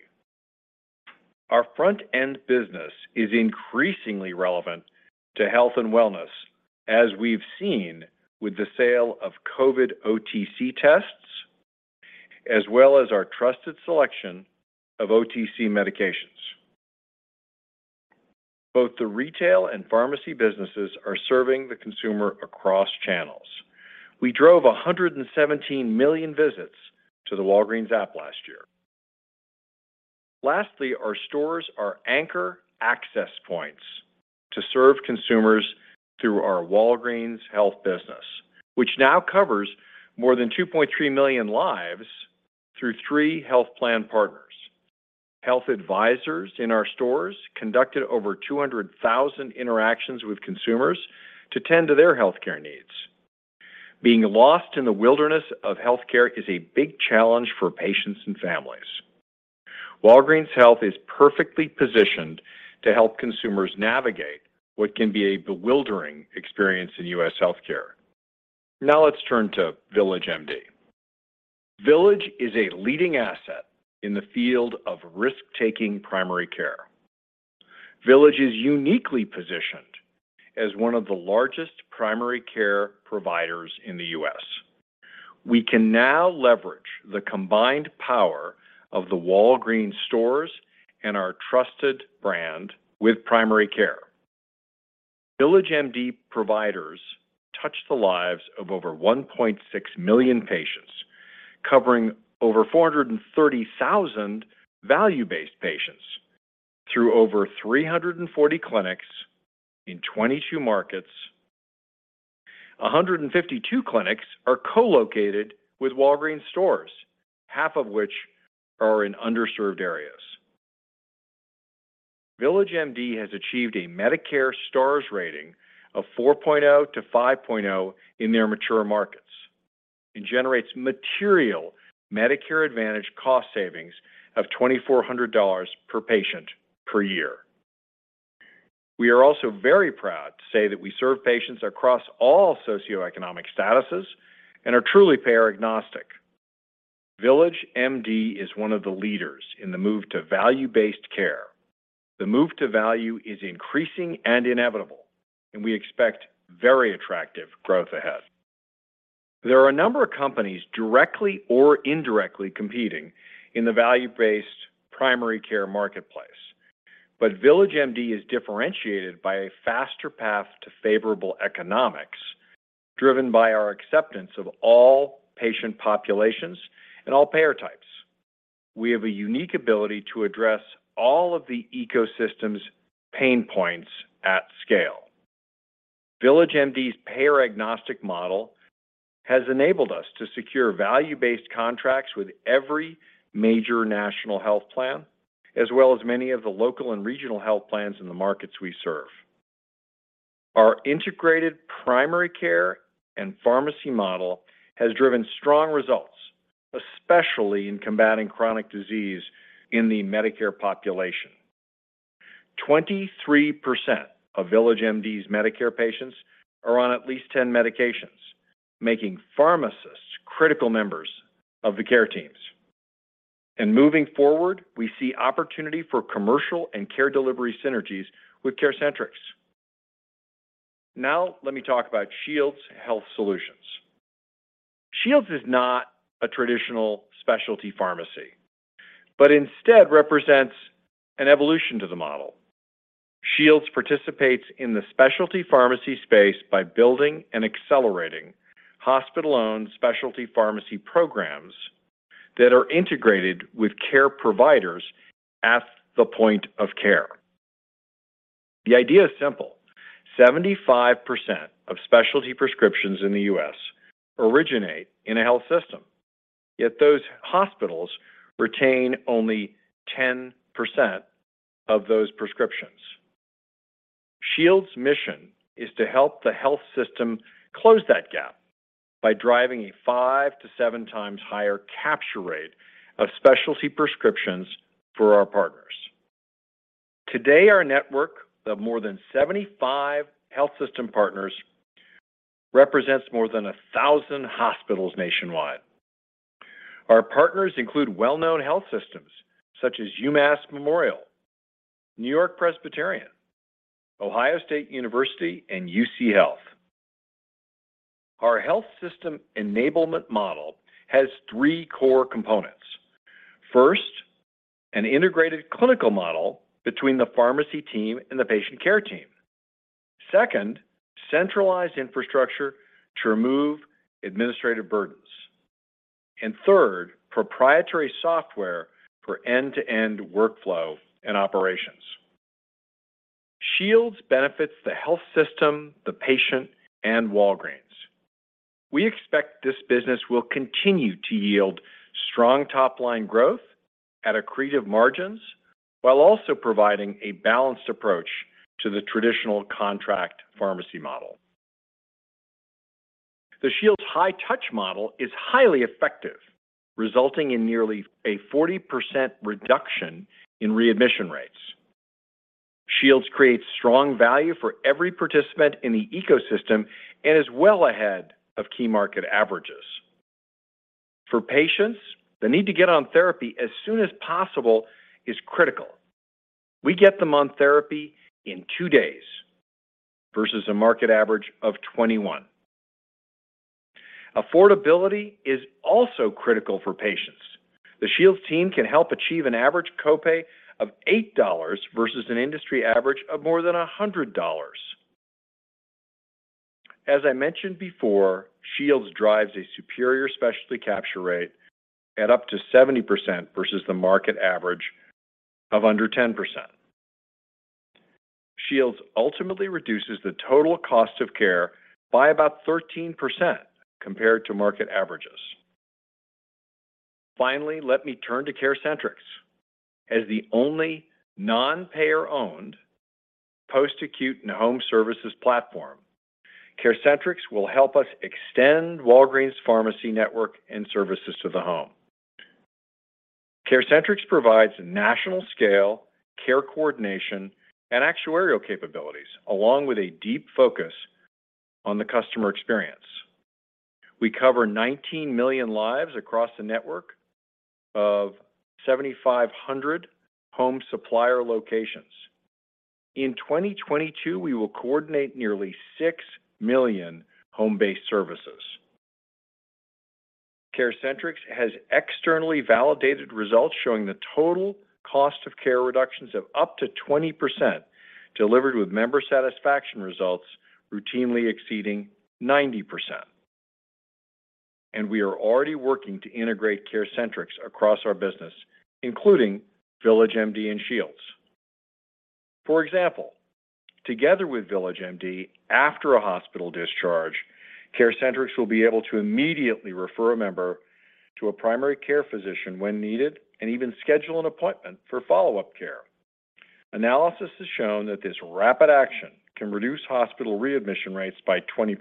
Our front-end business is increasingly relevant to health and wellness, as we've seen with the sale of COVID OTC tests, as well as our trusted selection of OTC medications. Both the retail and pharmacy businesses are serving the consumer across channels. We drove 117 million visits to the Walgreens app last year. Lastly, our stores are anchor access points to serve consumers through our Walgreens Health business, which now covers more than 2.3 million lives through three health plan partners. Health advisors in our stores conducted over 200,000 interactions with consumers to tend to their healthcare needs. Being lost in the wilderness of healthcare is a big challenge for patients and families. Walgreens Health is perfectly positioned to help consumers navigate what can be a bewildering experience in U.S. healthcare. Now let's turn to VillageMD. VillageMD is a leading asset in the field of risk-taking primary care. VillageMD is uniquely positioned as one of the largest primary care providers in the U.S. We can now leverage the combined power of the Walgreens stores and our trusted brand with primary care. VillageMD providers touch the lives of over 1.6 million patients, covering over 430,000 value-based patients through over 340 clinics in 22 markets. 152 clinics are co-located with Walgreens stores, half of which are in underserved areas. VillageMD has achieved a Medicare Star Ratings of 4.0-5.0 in their mature markets and generates material Medicare Advantage cost savings of $2,400 per patient per year. We are also very proud to say that we serve patients across all socioeconomic statuses and are truly payer agnostic. VillageMD is one of the leaders in the move to value-based care. The move to value is increasing and inevitable, and we expect very attractive growth ahead. There are a number of companies directly or indirectly competing in the value-based primary care marketplace, but VillageMD is differentiated by a faster path to favorable economics driven by our acceptance of all patient populations and all payer types. We have a unique ability to address all of the ecosystem's pain points at scale. VillageMD's payer agnostic model has enabled us to secure value-based contracts with every major national health plan, as well as many of the local and regional health plans in the markets we serve. Our integrated primary care and pharmacy model has driven strong results, especially in combating chronic disease in the Medicare population. 23% of VillageMD's Medicare patients are on at least 10 medications, making pharmacists critical members of the care teams. Moving forward, we see opportunity for commercial and care delivery synergies with CareCentrix. Now let me talk about Shields Health Solutions. Shields is not a traditional specialty pharmacy, but instead represents an evolution to the model. Shields participates in the specialty pharmacy space by building and accelerating hospital-owned specialty pharmacy programs that are integrated with care providers at the point of care. The idea is simple. 75% of specialty prescriptions in the U.S. originate in a health system, yet those hospitals retain only 10% of those prescriptions. Shields' mission is to help the health system close that gap by driving a 5-7 times higher capture rate of specialty prescriptions for our partners. Today, our network of more than 75 health system partners represents more than 1,000 hospitals nationwide. Our partners include well-known health systems such as UMass Memorial Health, NewYork-Presbyterian, The Ohio State University Wexner Medical Center, and UC Health. Our health system enablement model has three core components. First, an integrated clinical model between the pharmacy team and the patient care team. Second, centralized infrastructure to remove administrative burdens. Third, proprietary software for end-to-end workflow and operations. Shields benefits the health system, the patient, and Walgreens. We expect this business will continue to yield strong top-line growth at accretive margins while also providing a balanced approach to the traditional contract pharmacy model. The Shields high touch model is highly effective, resulting in nearly a 40% reduction in readmission rates. Shields creates strong value for every participant in the ecosystem and is well ahead of key market averages. For patients, the need to get on therapy as soon as possible is critical. We get them on therapy in two days versus a market average of 21. Affordability is also critical for patients. The Shields team can help achieve an average copay of $8 versus an industry average of more than $100. As I mentioned before, Shields drives a superior specialty capture rate at up to 70% versus the market average of under 10%. Shields ultimately reduces the total cost of care by about 13% compared to market averages. Finally, let me turn to CareCentrix. As the only non-payer-owned post-acute and home services platform, CareCentrix will help us extend Walgreens pharmacy network and services to the home. CareCentrix provides national scale, care coordination, and actuarial capabilities, along with a deep focus on the customer experience. We cover 19 million lives across the network of 7,500 home supplier locations. In 2022, we will coordinate nearly 6 million home-based services. CareCentrix has externally validated results showing the total cost of care reductions of up to 20% delivered with member satisfaction results routinely exceeding 90%. We are already working to integrate CareCentrix across our business, including VillageMD and Shields. For example, together with VillageMD after a hospital discharge, CareCentrix will be able to immediately refer a member to a primary care physician when needed and even schedule an appointment for follow-up care. Analysis has shown that this rapid action can reduce hospital readmission rates by 20%.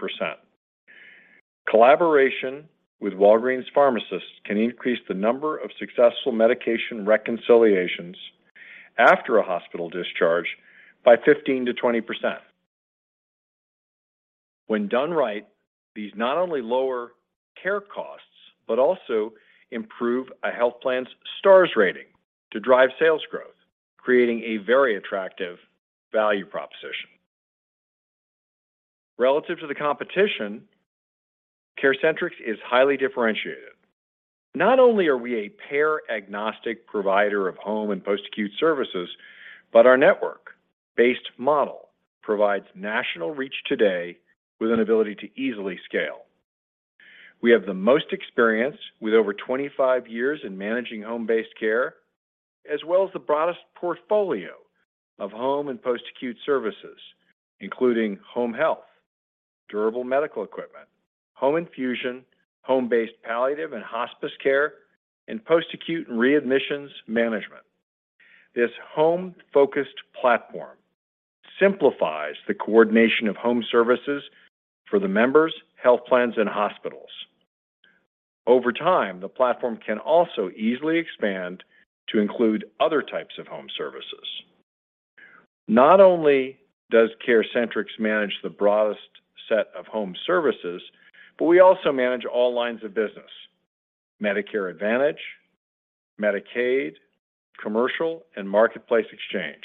Collaboration with Walgreens pharmacists can increase the number of successful medication reconciliations after a hospital discharge by 15%-20%. When done right, these not only lower care costs but also improve a health plan's Star Ratings to drive sales growth, creating a very attractive value proposition. Relative to the competition, CareCentrix is highly differentiated. Not only are we a payer-agnostic provider of home and post-acute services, but our network-based model provides national reach today with an ability to easily scale. We have the most experience with over 25 years in managing home-based care, as well as the broadest portfolio of home and post-acute services, including home health, durable medical equipment, home infusion, home-based palliative and hospice care, and post-acute and readmissions management. This home-focused platform simplifies the coordination of home services for the members, health plans, and hospitals. Over time, the platform can also easily expand to include other types of home services. Not only does CareCentrix manage the broadest set of home services, but we also manage all lines of business, Medicare Advantage, Medicaid, commercial, and Marketplace Exchange.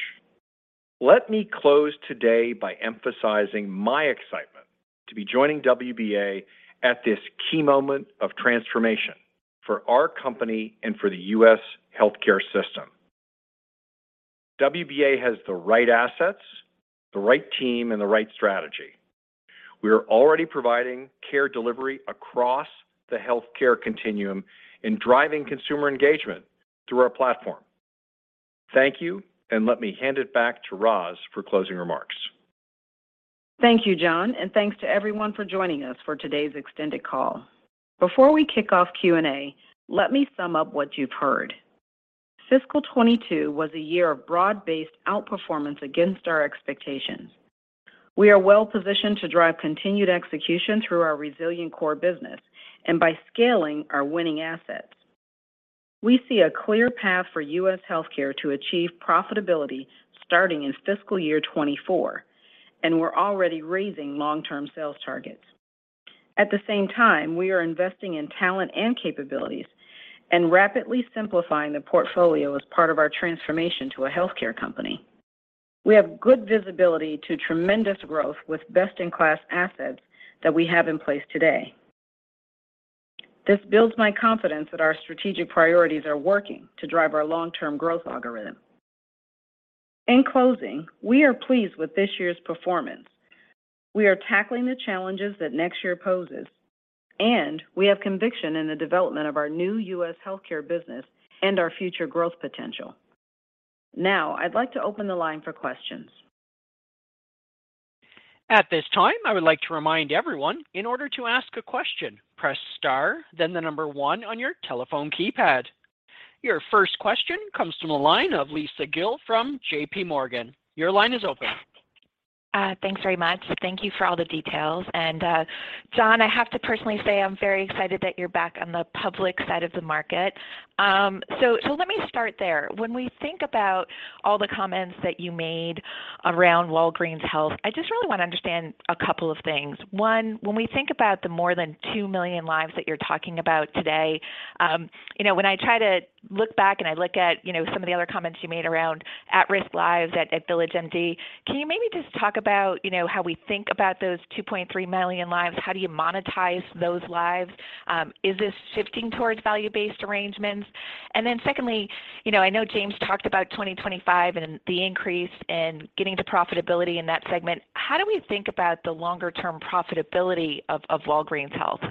Let me close today by emphasizing my excitement to be joining WBA at this key moment of transformation for our company and for the U.S. healthcare system. WBA has the right assets, the right team, and the right strategy. We are already providing care delivery across the healthcare continuum and driving consumer engagement through our platform. Tha nk you, and let me hand it back to Roz for closing remarks. Thank you, John, and thanks to everyone for joining us for today's extended call. Before we kick off Q&A, let me sum up what you've heard. Fiscal 2022 was a year of broad-based outperformance against our expectations. We are well positioned to drive continued execution through our resilient core business and by scaling our winning assets. We see a clear path for U.S. Healthcare to achieve profitability starting in fiscal year 2024, and we're already raising long-term sales targets. At the same time, we are investing in talent and capabilities and rapidly simplifying the portfolio as part of our transformation to a healthcare company. We have good visibility to tremendous growth with best-in-class assets that we have in place today. This builds my confidence that our strategic priorities are working to drive our long-term growth algorithm. In closing, we are pleased with this year's performance. We are tackling the challenges that next year poses, and we have conviction in the development of our new U.S. healthcare business and our future growth potential. Now I'd like to open the line for questions. At this time, I would like to remind everyone in order to ask a question, press star, then the number one on your telephone keypad. Your first question comes from the line of Lisa Gill from JP Morgan. Your line is open. Thanks very much. Thank you for all the details. John, I have to personally say I'm very excited that you're back on the public side of the market. Let me start there. When we think about all the comments that you made around Walgreens Health, I just really want to understand a couple of things. One, when we think about the more than 2 million lives that you're talking about today, you know, when I try to look back and I look at, you know, some of the other comments you made around at-risk lives at VillageMD, can you maybe just talk about, you know, how we think about those 2.3 million lives? How do you monetize those lives? Is this shifting towards value-based arrangements? Secondly, you know, I know James talked about 2025 and the increase in getting to profitability in that segment. How do we think about the longer-term profitability of Walgreens Health?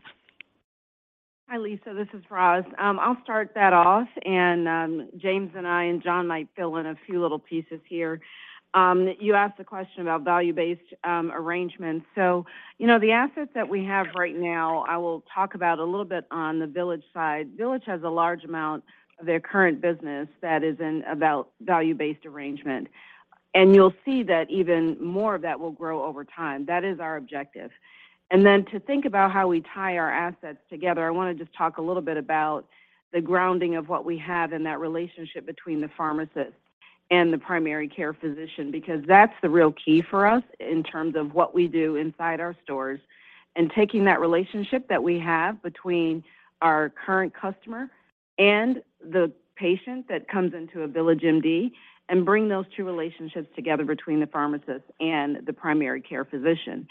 Hi, Lisa. This is Roz. I'll start that off, and James and I and John might fill in a few little pieces here. You asked a question about value-based arrangements. You know, the assets that we have right now, I will talk about a little bit on the Village side. Village has a large amount of their current business that is in a value-based arrangement, and you'll see that even more of that will grow over time. That is our objective. To think about how we tie our assets together, I wanna just talk a little bit about the grounding of what we have in that relationship between the pharmacist and the primary care physician because that's the real key for us in terms of what we do inside our stores and taking that relationship that we have between our current customer and the patient that comes into a VillageMD and bring those two relationships together between the pharmacist and the primary care physician.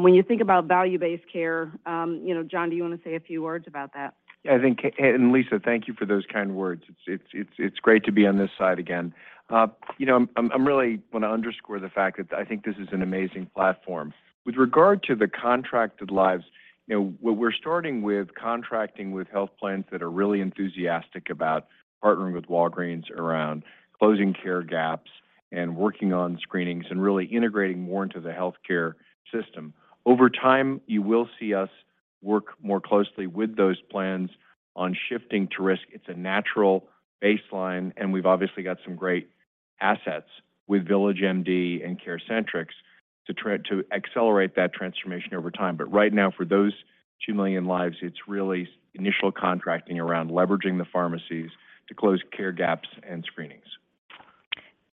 When you think about value-based care, you know, John, do you wanna say a few words about that? Lisa, thank you for those kind words. It's great to be on this side again. You know, I'm really wanna underscore the fact that I think this is an amazing platform. With regard to the contracted lives, you know, what we're starting with contracting with health plans that are really enthusiastic about partnering with Walgreens around closing care gaps and working on screenings and really integrating more into the healthcare system. Over time, you will see us work more closely with those plans on shifting to risk. It's a natural baseline, and we've obviously got some great assets with VillageMD and CareCentrix to try to accelerate that transformation over time. Right now for those 2 million lives, it's really initial contracting around leveraging the pharmacies to close care gaps and screenings.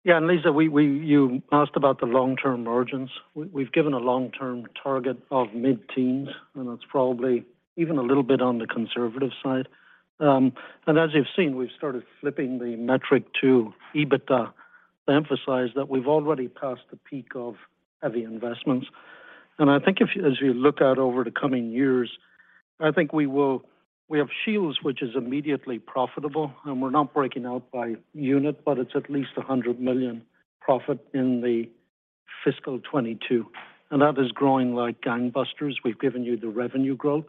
Yeah, Lisa, you asked about the long-term margins. We've given a long-term target of mid-teens, and that's probably even a little bit on the conservative side. As you've seen, we've started flipping the metric to EBITDA to emphasize that we've already passed the peak of heavy investments. I think as we look out over the coming years, we have Shields, which is immediately profitable, and we're not breaking out by unit, but it's at least $100 million profit in the fiscal 2022. That is growing like gangbusters. We've given you the revenue growth,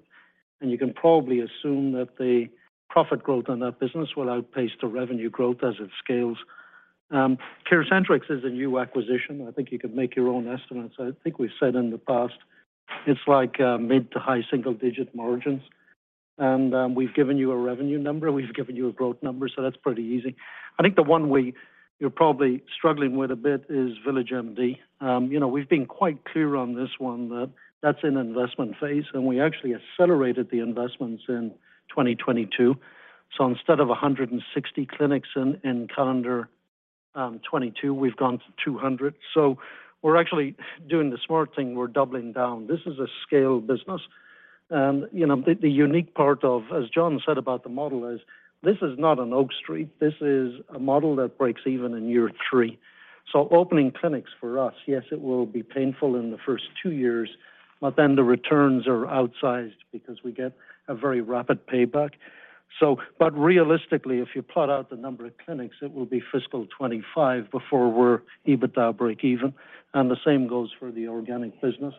and you can probably assume that the profit growth on that business will outpace the revenue growth as it scales. CareCentrix is a new acquisition. I think you can make your own estimates. I think we've said in the past it's like mid to high single-digit margins. We've given you a revenue number, we've given you a growth number, so that's pretty easy. I think the one you're probably struggling with a bit is VillageMD. You know, we've been quite clear on this one, that that's in investment phase, and we actually accelerated the investments in 2022. Instead of 160 clinics in calendar 2022, we've gone to 200. We're actually doing the smart thing. We're doubling down. This is a scale business. You know, the unique part of, as John said about the model is this is not an Oak Street. This is a model that breaks even in year three. Opening clinics for us, yes, it will be painful in the first two years, but then the returns are outsized because we get a very rapid payback. But realistically, if you plot out the number of clinics, it will be fiscal 2025 before we're EBITDA break even. The same goes for the organic business.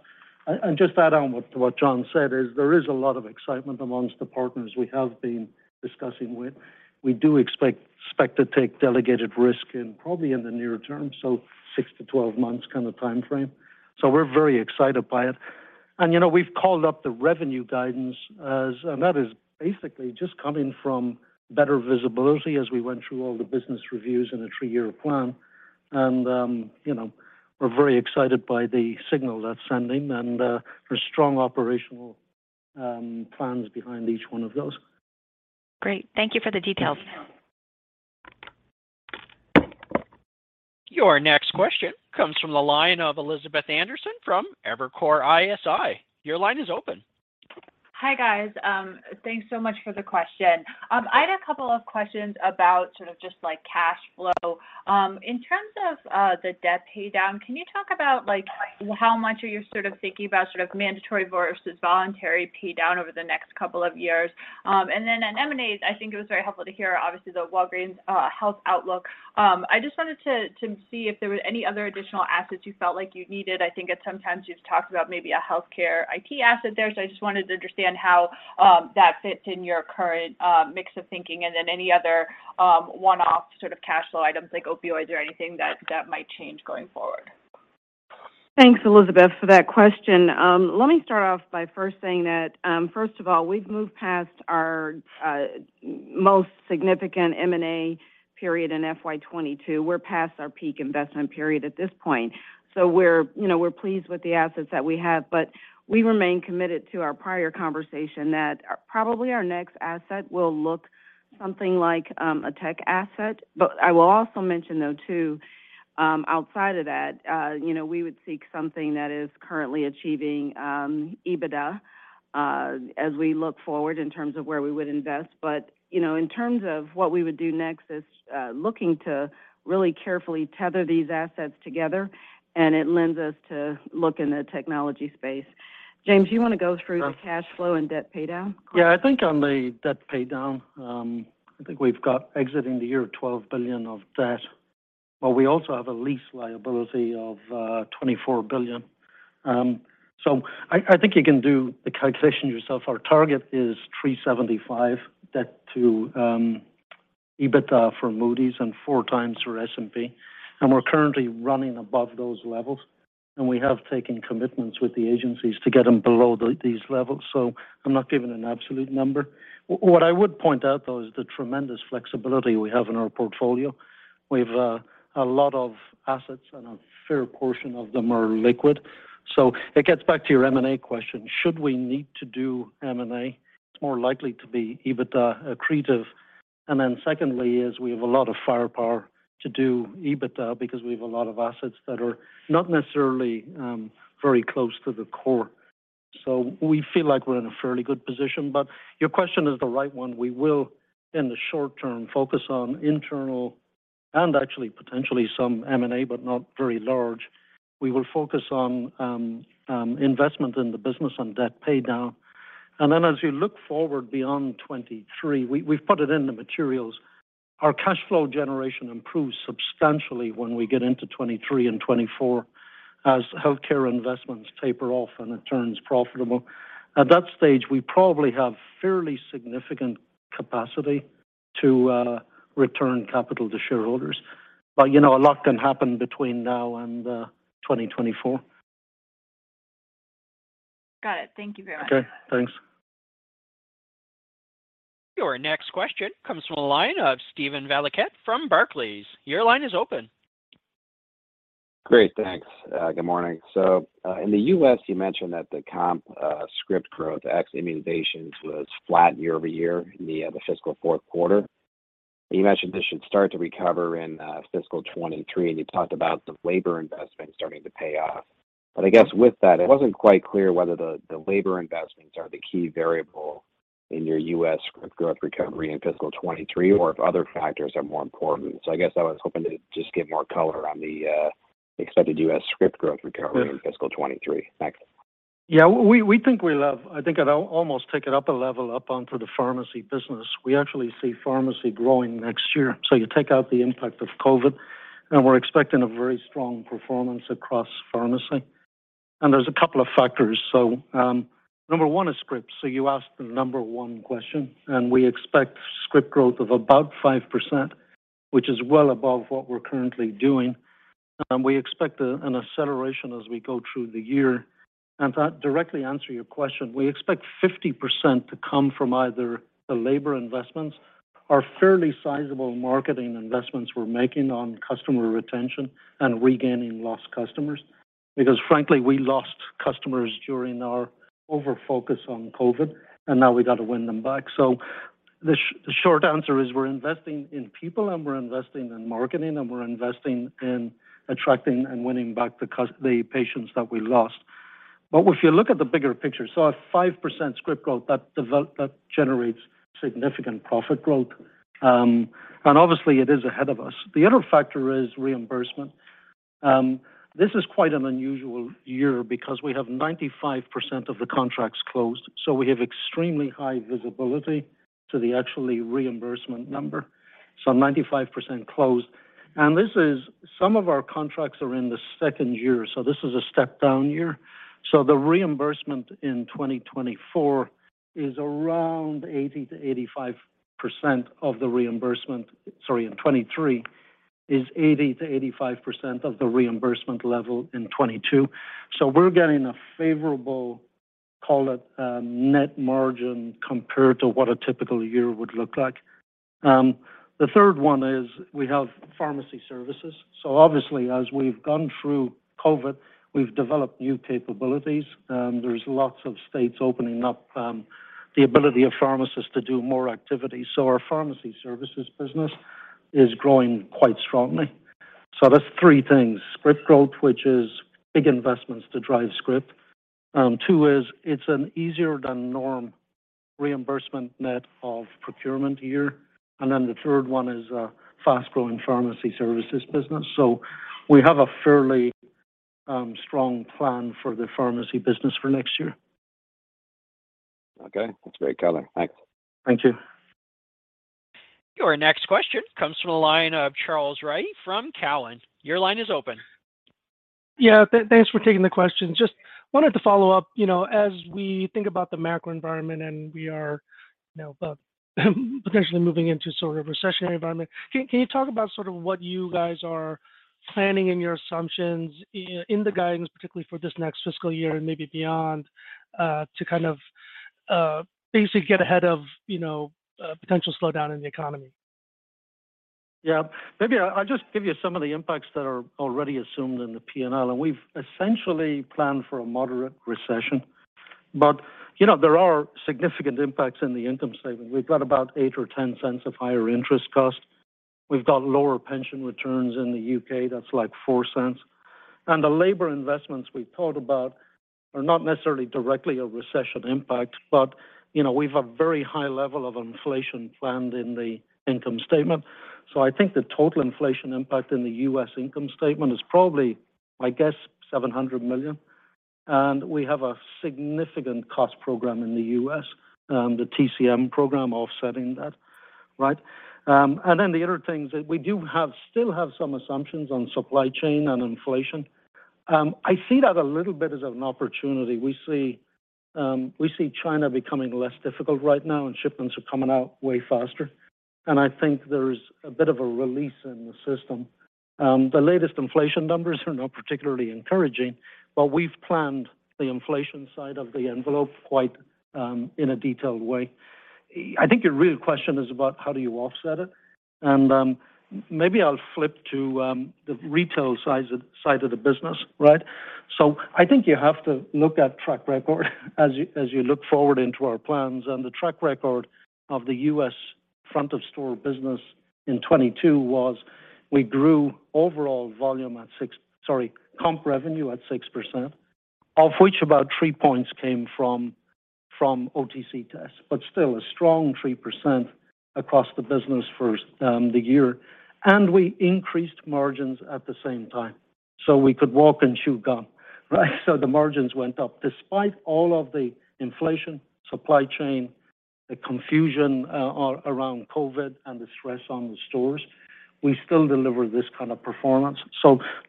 Just to add on to what John said, there is a lot of excitement among the partners we have been discussing with. We do expect to take delegated risk in probably in the near term, so 6-12 months kind of timeframe. We're very excited by it. You know, we've called up the revenue guidance as, and that is basically just coming from better visibility as we went through all the business reviews in a three-year plan. You know, we're very excited by the signal that's sending and for strong operational plans behind each one of those. Great. Thank you for the details. Your next question comes from the line of Elizabeth Anderson from Evercore ISI. Your line is open. Hi, guys. Thanks so much for the question. I had a couple of questions about sort of just, like, cash flow. In terms of the debt paydown, can you talk about, like, how much are you sort of thinking about sort of mandatory versus voluntary paydown over the next couple of years? On M&As, I think it was very helpful to hear obviously the Walgreens Health outlook. I just wanted to see if there were any other additional assets you felt like you needed. I think at some times you've talked about maybe a healthcare IT asset there, so I just wanted to understand how that fits in your current mix of thinking and then any other one-off sort of cash flow items like opioids or anything that might change going forward. Thanks, Elizabeth, for that question. Let me start off by first saying that, first of all, we've moved past our most significant M&A period in FY 2022. We're past our peak investment period at this point. We're, you know, we're pleased with the assets that we have, but we remain committed to our prior conversation that probably our next asset will look something like a tech asset. I will also mention though, too, outside of that, you know, we would seek something that is currently achieving EBITDA as we look forward in terms of where we would invest. You know, in terms of what we would do next is looking to really carefully tether these assets together, and it lends us to look in the technology space. James, do you wanna go through the cash flow and debt paydown? I think on the debt paydown, I think we've got exiting the year $12 billion of debt. We also have a lease liability of $24 billion. I think you can do the calculation yourself. Our target is 3.75 debt to EBITDA for Moody's and 4x for S&P. We're currently running above those levels, and we have taken commitments with the agencies to get them below these levels. I'm not giving an absolute number. What I would point out, though, is the tremendous flexibility we have in our portfolio. We've a lot of assets, and a fair portion of them are liquid. It gets back to your M&A question. Should we need to do M&A, it's more likely to be EBITDA accretive. Second, we have a lot of firepower to do EBITDA because we have a lot of assets that are not necessarily very close to the core. We feel like we're in a fairly good position. Your question is the right one. We will, in the short term, focus on internal and actually potentially some M&A, but not very large. We will focus on investment in the business and debt paydown. As you look forward beyond 2023, we've put it in the materials. Our cash flow generation improves substantially when we get into 2023 and 2024 as healthcare investments taper off and it turns profitable. At that stage, we probably have fairly significant capacity to return capital to shareholders. You know, a lot can happen between now and 2024. Got it. Thank you very much. Okay, thanks. Your next question comes from the line of Steven Valiquette from Barclays. Your line is open. Great. Thanks. Good morning. In the U.S., you mentioned that the comp script growth ex immunizations was flat year-over-year in the fiscal fourth quarter. You mentioned this should start to recover in fiscal 2023, and you talked about the labor investment starting to pay off. I guess with that, it wasn't quite clear whether the labor investments are the key variable in your U.S. script growth recovery in fiscal 2023 or if other factors are more important. I guess I was hoping to just get more color on the expected U.S. script growth recovery. Yeah. in fiscal 23. Thanks. We think we'll have. I think I'll almost take it up a level onto the pharmacy business. We actually see pharmacy growing next year. You take out the impact of COVID, and we're expecting a very strong performance across pharmacy. There's a couple of factors. Number one is scripts. You asked the number one question, and we expect script growth of about 5%, which is well above what we're currently doing. We expect an acceleration as we go through the year. To directly answer your question, we expect 50% to come from either the labor investments or fairly sizable marketing investments we're making on customer retention and regaining lost customers. Because frankly, we lost customers during our over-focus on COVID, and now we got to win them back. The short answer is we're investing in people, and we're investing in marketing, and we're investing in attracting and winning back the patients that we lost. If you look at the bigger picture, so a 5% script growth, that generates significant profit growth, and obviously it is ahead of us. The other factor is reimbursement. This is quite an unusual year because we have 95% of the contracts closed. So we have extremely high visibility to the actual reimbursement number. So 95% closed. Some of our contracts are in the second year, so this is a step-down year. So the reimbursement in 2024 is around 80%-85% of the reimbursement. Sorry, in 2023 is 80%-85% of the reimbursement level in 2022. We're getting a favorable, call it, net margin compared to what a typical year would look like. The third one is we have pharmacy services. Obviously, as we've gone through COVID, we've developed new capabilities. There's lots of states opening up, the ability of pharmacists to do more activities. Our pharmacy services business is growing quite strongly. That's three things. Script growth, which is big investments to drive script. Two is it's an easier than norm reimbursement net of procurement year. The third one is a fast-growing pharmacy services business. We have a fairly strong plan for the pharmacy business for next year. Okay. That's great color. Thanks. Thank you. Your next question comes from the line of Charles Rhyee from Cowen. Your line is open. Thanks for taking the question. Just wanted to follow up. You know, as we think about the macro environment, and we are, you know, potentially moving into sort of recessionary environment, can you talk about sort of what you guys are planning in your assumptions in the guidance, particularly for this next fiscal year and maybe beyond, to kind of basically get ahead of, you know, a potential slowdown in the economy? Yeah. Maybe I'll just give you some of the impacts that are already assumed in the P&L, and we've essentially planned for a moderate recession. You know, there are significant impacts in the income statement. We've got about $0.08 or $0.10 of higher interest cost. We've got lower pension returns in the U.K. That's like $0.04. The labor investments we've talked about are not necessarily directly a recession impact, but, you know, we've a very high level of inflation planned in the income statement. I think the total inflation impact in the U.S. income statement is probably, my guess, $700 million. We have a significant cost program in the U.S., the TCM program offsetting that, right? The other things that we still have some assumptions on supply chain and inflation. I see that a little bit as an opportunity. We see China becoming less difficult right now, and shipments are coming out way faster. I think there's a bit of a release in the system. The latest inflation numbers are not particularly encouraging, but we've planned the inflation side of the envelope quite in a detailed way. I think your real question is about how do you offset it. Maybe I'll flip to the retail side of the business, right? I think you have to look at track record as you look forward into our plans. The track record of the U.S. front of store business in 2022 was we grew overall volume at 6%. Sorry, comp revenue at 6%, of which about 3 points came from OTC tests, but still a strong 3% across the business for the year. We increased margins at the same time, so we could walk and chew gum, right? The margins went up. Despite all of the inflation, supply chain, the confusion around COVID and the stress on the stores, we still delivered this kind of performance.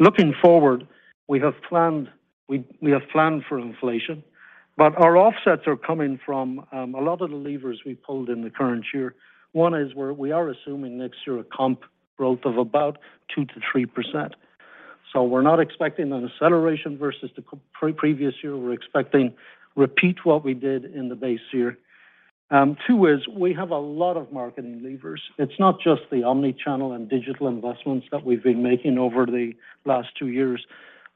Looking forward, we have planned for inflation. Our offsets are coming from a lot of the levers we pulled in the current year. One is we are assuming next year a comp growth of about 2%-3%. We're not expecting an acceleration versus the previous year. We're expecting to repeat what we did in the base year. Two is we have a lot of marketing levers. It's not just the omni-channel and digital investments that we've been making over the last 2 years.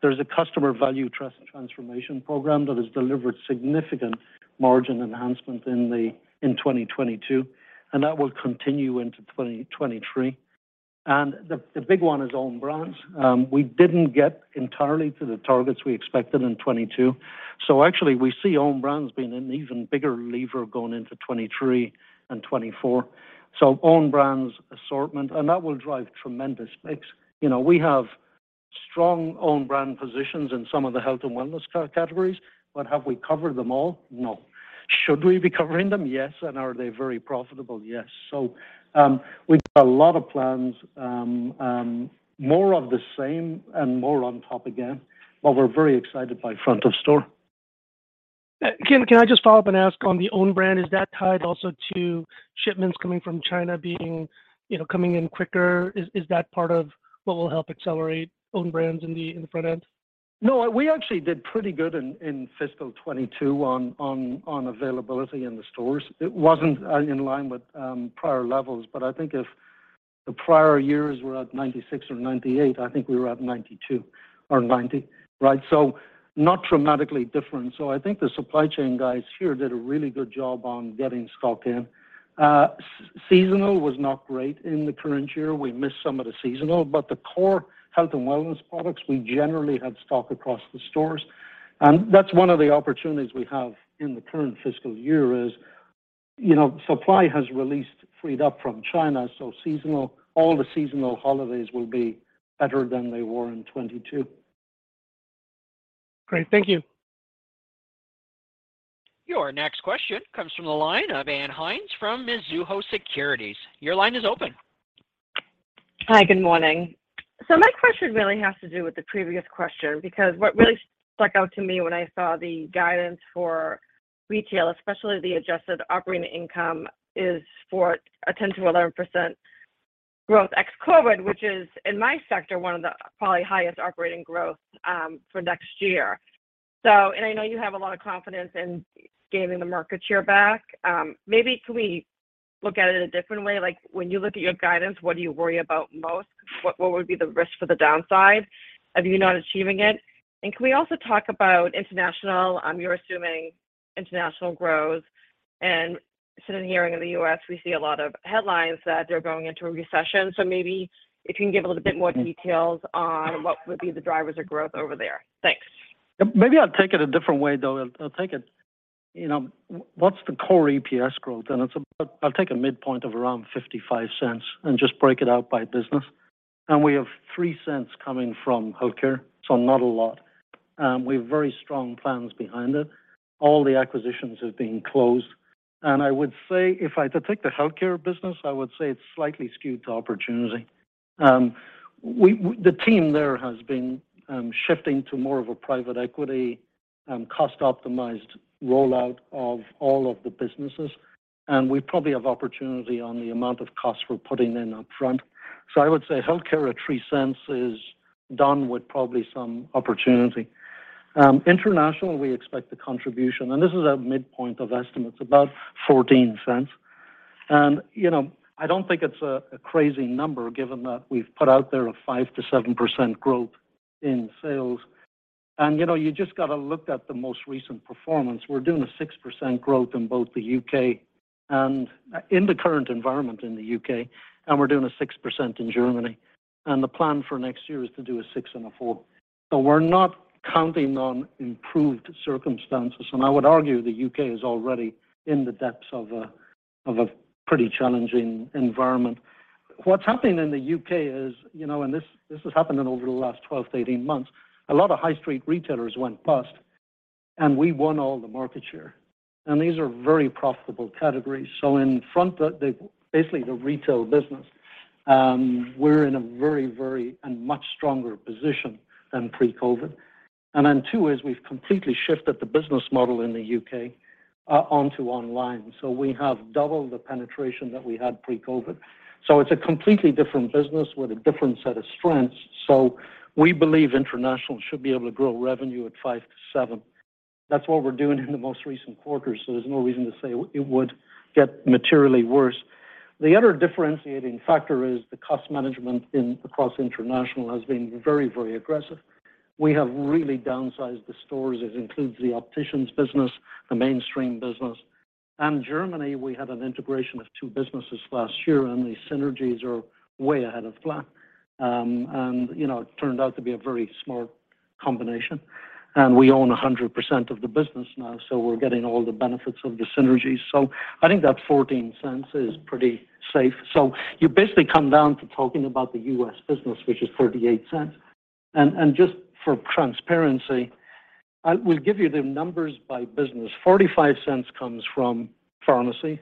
There's a customer value trust transformation program that has delivered significant margin enhancement in 2022, and that will continue into 2023. The big one is own brands. We didn't get entirely to the targets we expected in 2022. Actually we see own brands being an even bigger lever going into 2023 and 2024. Own brands assortment, and that will drive tremendous mix. You know, we have strong own brand positions in some of the health and wellness categories. But have we covered them all? No. Should we be covering them? Yes. Are they very profitable? Yes. We've got a lot of plans, more of the same and more on top again, but we're very excited by front of store. Can I just follow up and ask on the own brand, is that tied also to shipments coming from China being, you know, coming in quicker? Is that part of what will help accelerate own brands in the front end? No. We actually did pretty good in fiscal 2022 on availability in the stores. It wasn't in line with prior levels, but I think if the prior years were at 96% or 98%, I think we were at 92% or 90%, right? So not dramatically different. So I think the supply chain guys here did a really good job on getting stock in. Seasonal was not great in the current year. We missed some of the seasonal, but the core health and wellness products, we generally had stock across the stores. That's one of the opportunities we have in the current fiscal year is, you know, supply has released, freed up from China, so seasonal, all the seasonal holidays will be better than they were in 2022. Great. Thank you. Your next question comes from the line of Ann Hynes from Mizuho Securities. Your line is open. Hi, good morning. My question really has to do with the previous question because what really stuck out to me when I saw the guidance for retail, especially the adjusted operating income, is for a 10%-11% growth ex-COVID, which is in my sector one of the probably highest operating growth for next year. I know you have a lot of confidence in gaining the market share back. Maybe can we look at it a different way? Like, when you look at your guidance, what do you worry about most? What would be the risk for the downside of you not achieving it? Can we also talk about international? You're assuming international growth, and sitting here in the U.S., we see a lot of headlines that they're going into a recession. Maybe if you can give a little bit more details on what would be the drivers of growth over there. Thanks. Maybe I'll take it a different way, though. I'll take it, you know, what's the core EPS growth? It's about. I'll take a midpoint of around $0.55 and just break it out by business. We have $0.03 coming from Healthcare, so not a lot. We have very strong plans behind it. All the acquisitions have been closed. I would say to take the Healthcare business, I would say it's slightly skewed to opportunity. We, the team there has been shifting to more of a private equity, cost-optimized rollout of all of the businesses, and we probably have opportunity on the amount of costs we're putting in up front. So I would say Healthcare at $0.03 is done with probably some opportunity. International, we expect the contribution, and this is at midpoint of estimates, about $0.14. You know, I don't think it's a crazy number given that we've put out there a 5%-7% growth in sales. You know, you just gotta look at the most recent performance. We're doing a 6% growth in both the UK and in the current environment in the UK, and we're doing a 6% in Germany. The plan for next year is to do a 6 and a 4. We're not counting on improved circumstances. I would argue the UK is already in the depths of a pretty challenging environment. What's happening in the UK is, you know, this has happened over the last 12 to 18 months, a lot of high street retailers went bust, and we won all the market share. These are very profitable categories. In front of, basically, the retail business, we're in a very much stronger position than pre-COVID. Then two is we've completely shifted the business model in the U.K. onto online. We have double the penetration that we had pre-COVID. It's a completely different business with a different set of strengths. We believe International should be able to grow revenue at 5%-7%. That's what we're doing in the most recent quarters. There's no reason to say it would get materially worse. The other differentiating factor is the cost management across International has been very aggressive. We have really downsized the stores. It includes the opticians business, the mainstream business. Germany, we had an integration of two businesses last year, and the synergies are way ahead of plan. You know, it turned out to be a very smart combination. We own 100% of the business now, so we're getting all the benefits of the synergies. I think that $0.14 is pretty safe. You basically come down to talking about the U.S. business, which is $0.48. Just for transparency, I will give you the numbers by business. $0.45 comes from pharmacy,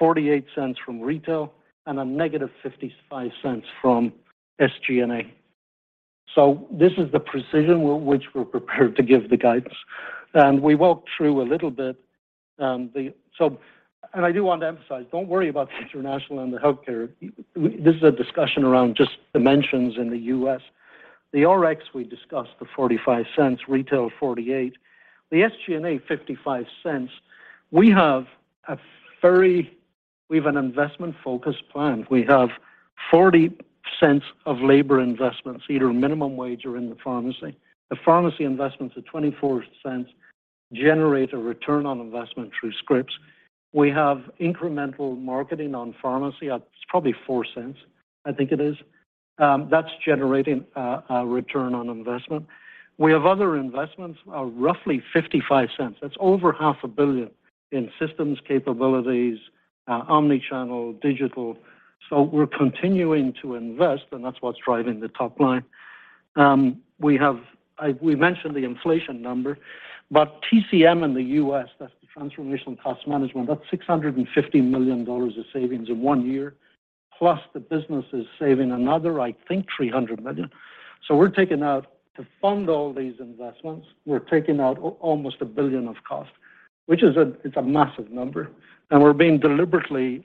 $0.48 from retail, and a -$0.55 from SG&A. This is the precision which we're prepared to give the guidance. We walked through a little bit. I do want to emphasize, don't worry about the International and the healthcare. This is a discussion around just dynamics in the U.S. The RX we discussed the $0.45, retail $0.48. The SG&A $0.55. We have an investment-focused plan. We have $0.40 of labor investments, either minimum wage or in the pharmacy. The pharmacy investments of $0.24 generate a return on investment through scripts. We have incremental marketing on pharmacy at, it's probably $0.04, I think it is. That's generating a return on investment. We have other investments of roughly $0.55. That's over half a billion dollars in systems capabilities, omni-channel, digital. We're continuing to invest, and that's what's driving the top line. We mentioned the inflation number, but TCM in the US, that's the transformational cost management, that's $650 million of savings in one year, plus the business is saving another, I think, $300 million. To fund all these investments, we're taking out almost $1 billion of cost, which is a massive number. We're being deliberately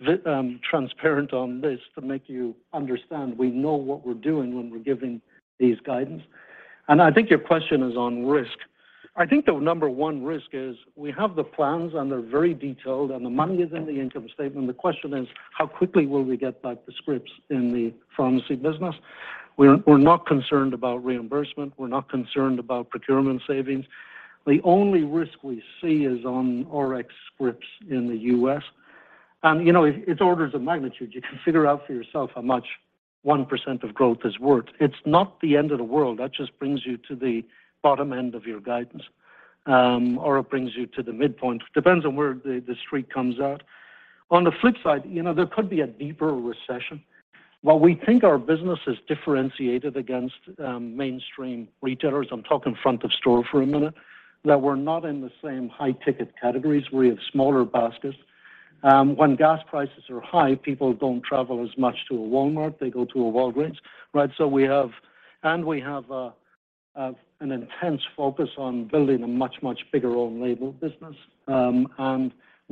transparent on this to make you understand we know what we're doing when we're giving these guidance. I think your question is on risk. I think the number one risk is we have the plans, and they're very detailed, and the money is in the income statement. The question is, how quickly will we get back the scripts in the pharmacy business? We're not concerned about reimbursement. We're not concerned about procurement savings. The only risk we see is on RX scripts in the U.S. You know, it's orders of magnitude. You can figure out for yourself how much 1% of growth is worth. It's not the end of the world. That just brings you to the bottom end of your guidance, or it brings you to the midpoint. Depends on where the Street comes out. On the flip side, you know, there could be a deeper recession. While we think our business is differentiated against mainstream retailers, I'm talking front of store for a minute, that we're not in the same high-ticket categories. We have smaller baskets. When gas prices are high, people don't travel as much to a Walmart. They go to a Walgreens, right? We have an intense focus on building a much bigger own label business.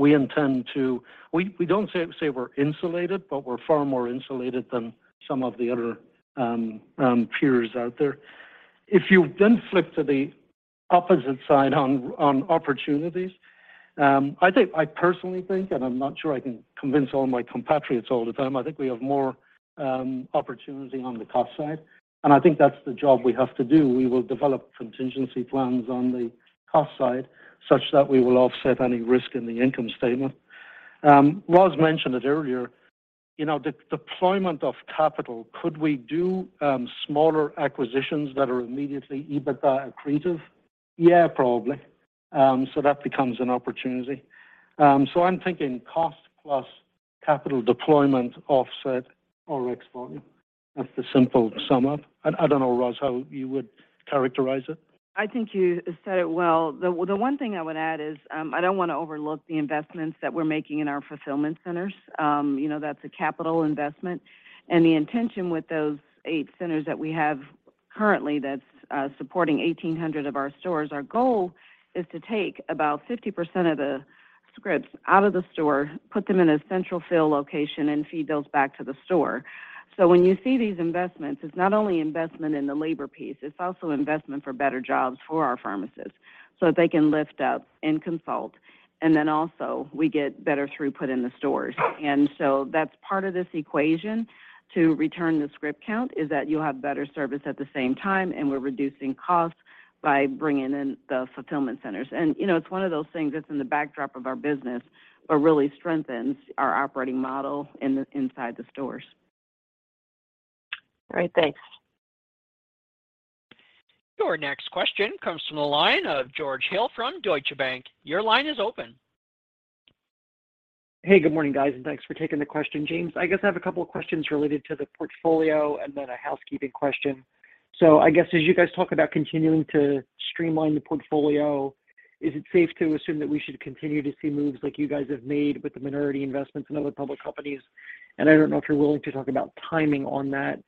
We don't say we're insulated, but we're far more insulated than some of the other peers out there. If you then flip to the opposite side on opportunities, I think, I personally think, and I'm not sure I can convince all my compatriots all the time, I think we have more opportunity on the cost side. I think that's the job we have to do. We will develop contingency plans on the cost side such that we will offset any risk in the income statement. Roz mentioned it earlier, you know, the deployment of capital, could we do smaller acquisitions that are immediately EBITDA accretive? Yeah, probably. So that becomes an opportunity. So I'm thinking cost plus capital deployment offset RX volume. That's the simple sum up. I don't know, Roz, how you would characterize it. I think you said it well. The one thing I would add is, I don't wanna overlook the investments that we're making in our fulfillment centers. You know, that's a capital investment. The intention with those 8 centers that we have currently that's supporting 1,800 of our stores, our goal is to take about 50% of the scripts out of the store, put them in a central fill location, and feed those back to the store. When you see these investments, it's not only investment in the labor piece, it's also investment for better jobs for our pharmacists, so that they can lift up and consult. Then also, we get better throughput in the stores. That's part of this equation to return the script count, is that you'll have better service at the same time, and we're reducing costs by bringing in the fulfillment centers. You know, it's one of those things that's in the backdrop of our business, but really strengthens our operating model in the, inside the stores. All right. Thanks. Your next question comes from the line of George Hill from Deutsche Bank. Your line is open. Hey, good morning, guys, and thanks for taking the question. James, I just have a couple questions related to the portfolio and then a housekeeping question. I guess as you guys talk about continuing to streamline the portfolio, is it safe to assume that we should continue to see moves like you guys have made with the minority investments in other public companies? I don't know if you're willing to talk about timing on that.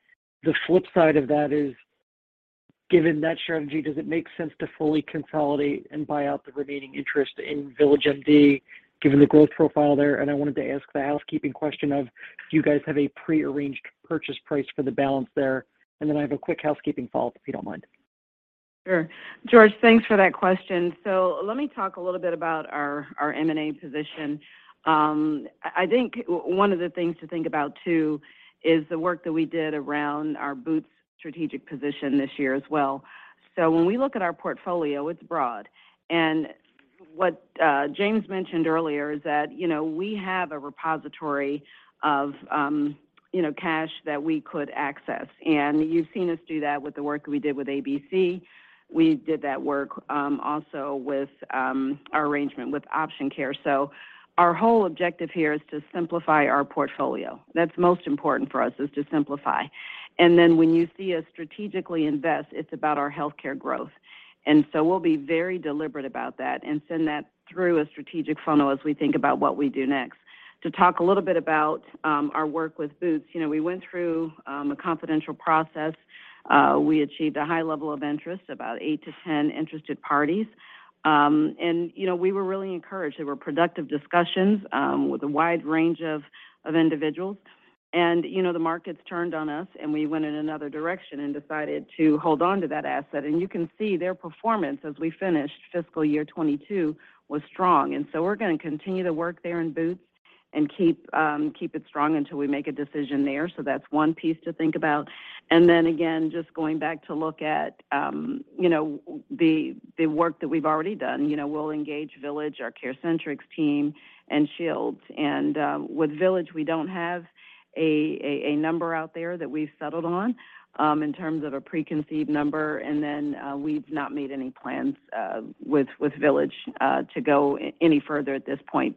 The flip side of that is, given that strategy, does it make sense to fully consolidate and buy out the remaining interest in VillageMD, given the growth profile there? I wanted to ask the housekeeping question of, do you guys have a prearranged purchase price for the balance there? Then I have a quick housekeeping follow-up, if you don't mind. Sure. George, thanks for that question. Let me talk a little bit about our M&A position. I think one of the things to think about too is the work that we did around our Boots strategic position this year as well. When we look at our portfolio, it's broad. What James mentioned earlier is that we have a repository of cash that we could access. You've seen us do that with the work we did with AmerisourceBergen. We did that work also with our arrangement with Option Care. Our whole objective here is to simplify our portfolio. That's most important for us, is to simplify. Then when you see us strategically invest, it's about our healthcare growth. We'll be very deliberate about that and send that through a strategic funnel as we think about what we do next. To talk a little bit about our work with Boots, we went through a confidential process. We achieved a high level of interest, about 8-10 interested parties. We were really encouraged. There were productive discussions with a wide range of individuals. You know, the markets turned on us, and we went in another direction and decided to hold on to that asset. You can see their performance as we finished fiscal year 2022 was strong. We're gonna continue to work there in Boots and keep it strong until we make a decision there. That's one piece to think about. Then again, just going back to look at, you know, the work that we've already done. You know, we'll engage VillageMD, our CareCentrix team, and Shields. With VillageMD, we don't have a number out there that we've settled on in terms of a preconceived number. Then, we've not made any plans with VillageMD to go any further at this point.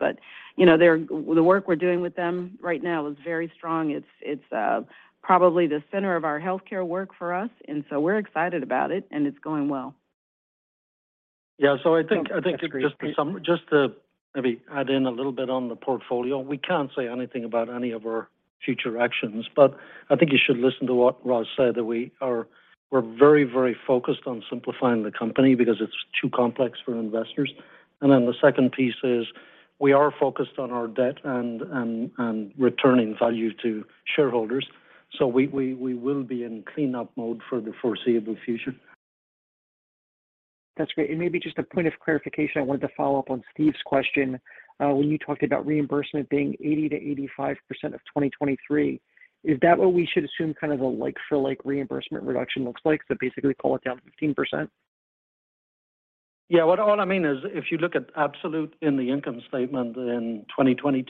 You know, the work we're doing with them right now is very strong. It's probably the center of our healthcare work for us, and so we're excited about it, and it's going well. Yeah. I think just to maybe add in a little bit on the portfolio. We can't say anything about any of our future actions, but I think you should listen to what Roz said, that we're very, very focused on simplifying the company because it's too complex for investors. The second piece is we are focused on our debt and returning value to shareholders. We will be in cleanup mode for the foreseeable future. That's great. Maybe just a point of clarification. I wanted to follow up on Steve's question, when you talked about reimbursement being 80%-85% of 2023. Is that what we should assume kind of a like for like reimbursement reduction looks like? Basically call it down 15%? Yeah. What all I mean is if you look at absolute in the income statement in 2022,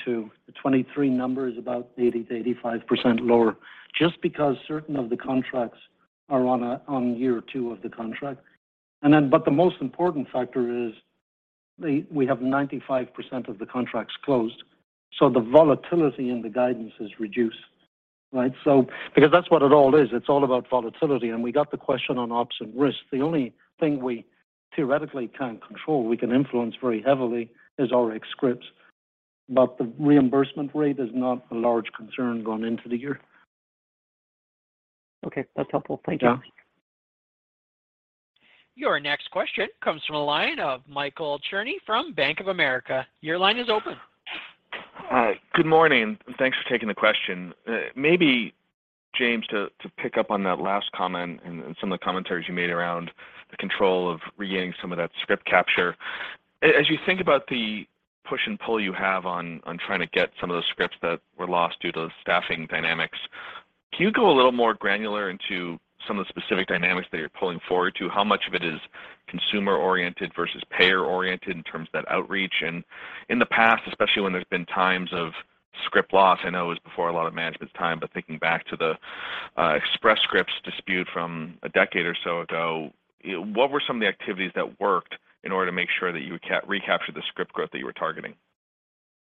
the 2023 number is about 80%-85% lower just because certain of the contracts are on year two of the contract. But the most important factor is we have 95% of the contracts closed, so the volatility in the guidance is reduced. Right? Because that's what it all is. It's all about volatility. We got the question on ops and risk. The only thing we theoretically can't control, we can influence very heavily, is our scripts. But the reimbursement rate is not a large concern going into the year. Okay. That's helpful. Thank you. Yeah. Your next question comes from the line of Michael Cherny from Bank of America. Your line is open. Hi. Good morning. Thanks for taking the question. Maybe James, to pick up on that last comment and some of the commentaries you made around the control of regaining some of that script capture. As you think about the push and pull you have on trying to get some of those scripts that were lost due to staffing dynamics, can you go a little more granular into some of the specific dynamics that you're pulling forward to? How much of it is consumer-oriented versus payer-oriented in terms of that outreach? In the past, especially when there's been times of script loss, I know it was before a lot of management's time, but thinking back to the Express Scripts dispute from a decade or so ago, what were some of the activities that worked in order to make sure that you can recapture the script growth that you were targeting?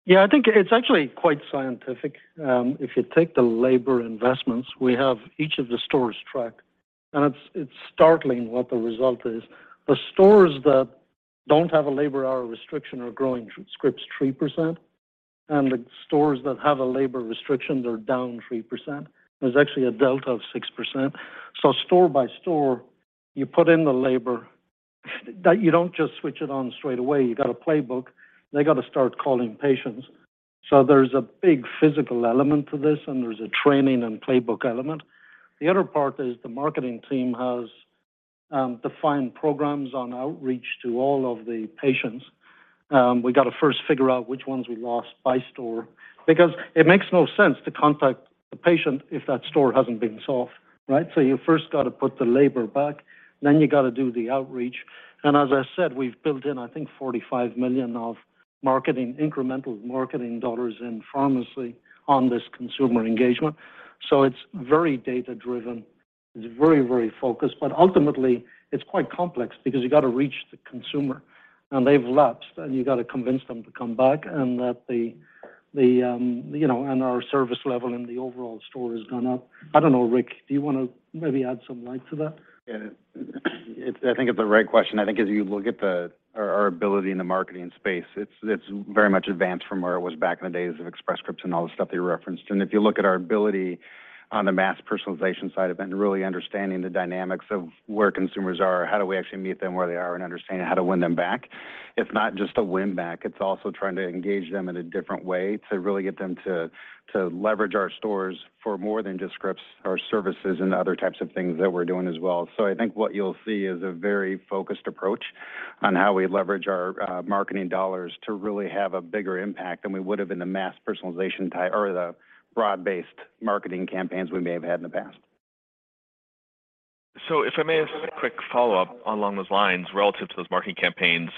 Yeah. I think it's actually quite scientific. If you take the labor investments, we have each of the stores tracked, and it's startling what the result is. The stores that don't have a labor hour restriction are growing scripts 3%, and the stores that have a labor restriction, they're down 3%. There's actually a delta of 6%. Store by store, you put in the labor. That you don't just switch it on straight away. You got a playbook. They gotta start calling patients. There's a big physical element to this, and there's a training and playbook element. The other part is the marketing team has defined programs on outreach to all of the patients. We gotta first figure out which ones we lost by store because it makes no sense to contact the patient if that store hasn't been staffed. Right? You first gotta put the labor back, then you gotta do the outreach. As I said, we've built in, I think, $45 million of marketing, incremental marketing dollars in pharmacy on this consumer engagement. It's very data-driven. It's very, very focused. Ultimately, it's quite complex because you gotta reach the consumer, and they've lapsed, and you gotta convince them to come back and that the you know, and our service level in the overall store has gone up. I don't know, Rick, do you wanna maybe shed some light to that? Yeah. I think it's the right question. I think as you look at our ability in the marketing space, it's very much advanced from where it was back in the days of Express Scripts and all the stuff that you referenced. If you look at our ability on the mass personalization side of it and really understanding the dynamics of where consumers are, how do we actually meet them where they are, and understanding how to win them back. It's not just a win back. It's also trying to engage them in a different way to really get them to leverage our stores for more than just scripts or services and other types of things that we're doing as well. I think what you'll see is a very focused approach on how we leverage our marketing dollars to really have a bigger impact than we would have in the mass personalization type or the broad-based marketing campaigns we may have had in the past. If I may ask a quick follow-up along those lines relative to those marketing campaigns.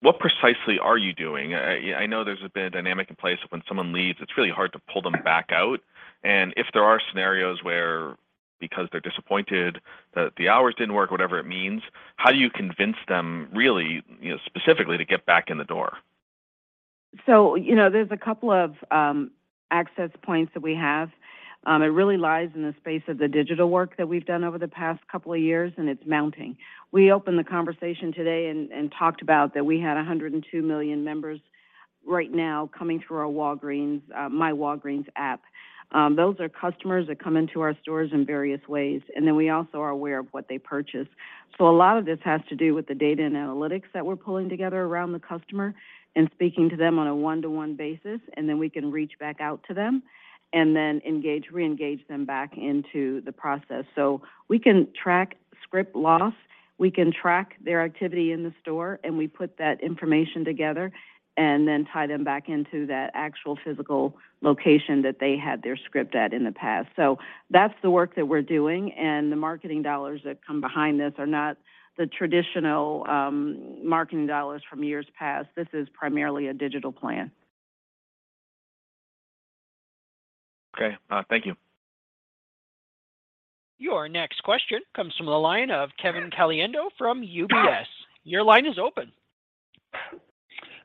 What precisely are you doing? I know there's a bit of dynamic in place when someone leaves, it's really hard to pull them back out. If there are scenarios where because they're disappointed that the hours didn't work, whatever it means, how do you convince them really, you know, specifically to get back in the door? You know, there's a couple of access points that we have. It really lies in the space of the digital work that we've done over the past couple of years, and it's mounting. We opened the conversation today and talked about that we had 102 million members. Right now coming through our Walgreens, myWalgreens app. Those are customers that come into our stores in various ways, and then we also are aware of what they purchase. A lot of this has to do with the data and analytics that we're pulling together around the customer and speaking to them on a one-to-one basis, and then we can reach back out to them and then engage, reengage them back into the process. We can track script loss, we can track their activity in the store, and we put that information together and then tie them back into that actual physical location that they had their script at in the past. That's the work that we're doing, and the marketing dollars that come behind this are not the traditional, marketing dollars from years past. This is primarily a digital plan. Okay. Thank you. Your next question comes from the line of Kevin Caliendo from UBS. Your line is open.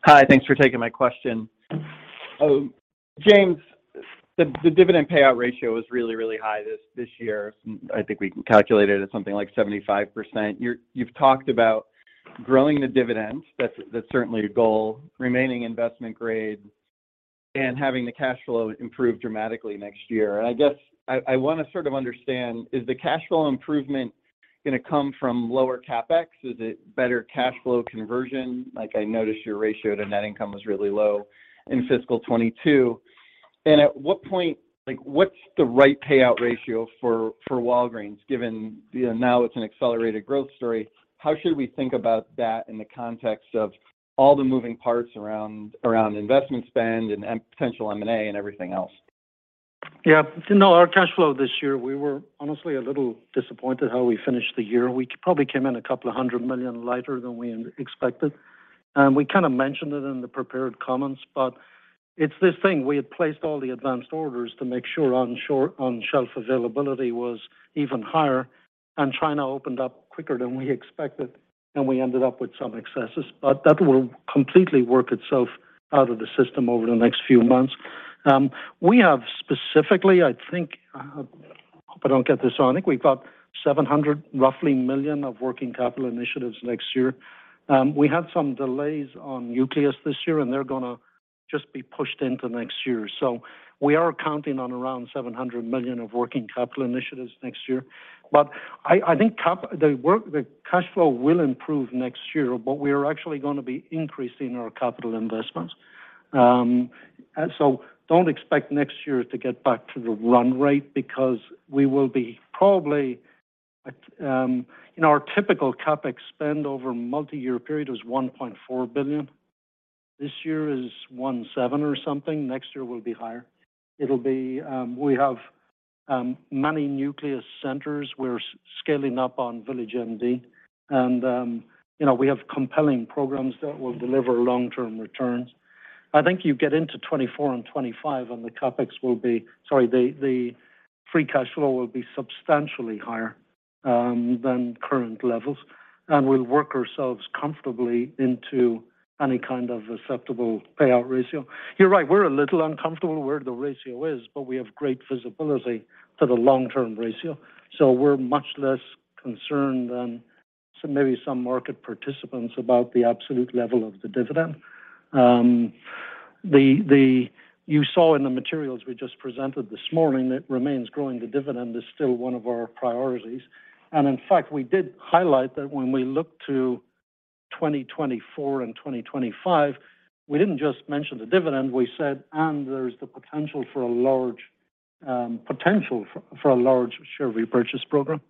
Hi. Thanks for taking my question. James, the dividend payout ratio is really high this year. I think we can calculate it at something like 75%. You've talked about growing the dividend. That's certainly a goal. Remaining investment grade and having the cash flow improve dramatically next year. I guess I wanna sort of understand, is the cash flow improvement gonna come from lower CapEx? Is it better cash flow conversion? Like, I noticed your ratio to net income was really low in fiscal 2022. At what point, like, what's the right payout ratio for Walgreens, given, you know, now it's an accelerated growth story. How should we think about that in the context of all the moving parts around investment spend and potential M&A and everything else? No, our cash flow this year, we were honestly a little disappointed how we finished the year. We probably came in $200 million lighter than we expected. We kind of mentioned it in the prepared comments, but it's this thing. We had placed all the advanced orders to make sure on shelf availability was even higher, and China opened up quicker than we expected, and we ended up with some excesses. That will completely work itself out of the system over the next few months. We have specifically, I think, hope I don't get this wrong, I think we've got roughly $700 million of working capital initiatives next year. We had some delays on Nucleus this year, and they're gonna just be pushed into next year. We are counting on around $700 million of working capital initiatives next year. I think the cash flow will improve next year, but we're actually gonna be increasing our capital investments. Don't expect next year to get back to the run rate because we will be probably at. You know, our typical CapEx spend over multiyear period is $1.4 billion. This year is $1.7 or something. Next year will be higher. It'll be. We have many Nucleus centers. We're scaling up on VillageMD. You know, we have compelling programs that will deliver long-term returns. I think you get into 2024 and 2025 and the CapEx will be. Sorry, the free cash flow will be substantially higher than current levels. We'll work ourselves comfortably into any kind of acceptable payout ratio. You're right, we're a little uncomfortable where the ratio is, but we have great visibility to the long-term ratio. We're much less concerned than some, maybe some market participants about the absolute level of the dividend. You saw in the materials we just presented this morning that remains growing the dividend is still one of our priorities. In fact, we did highlight that when we look to 2024 and 2025, we didn't just mention the dividend. We said, "And there's the potential for a large share repurchase program."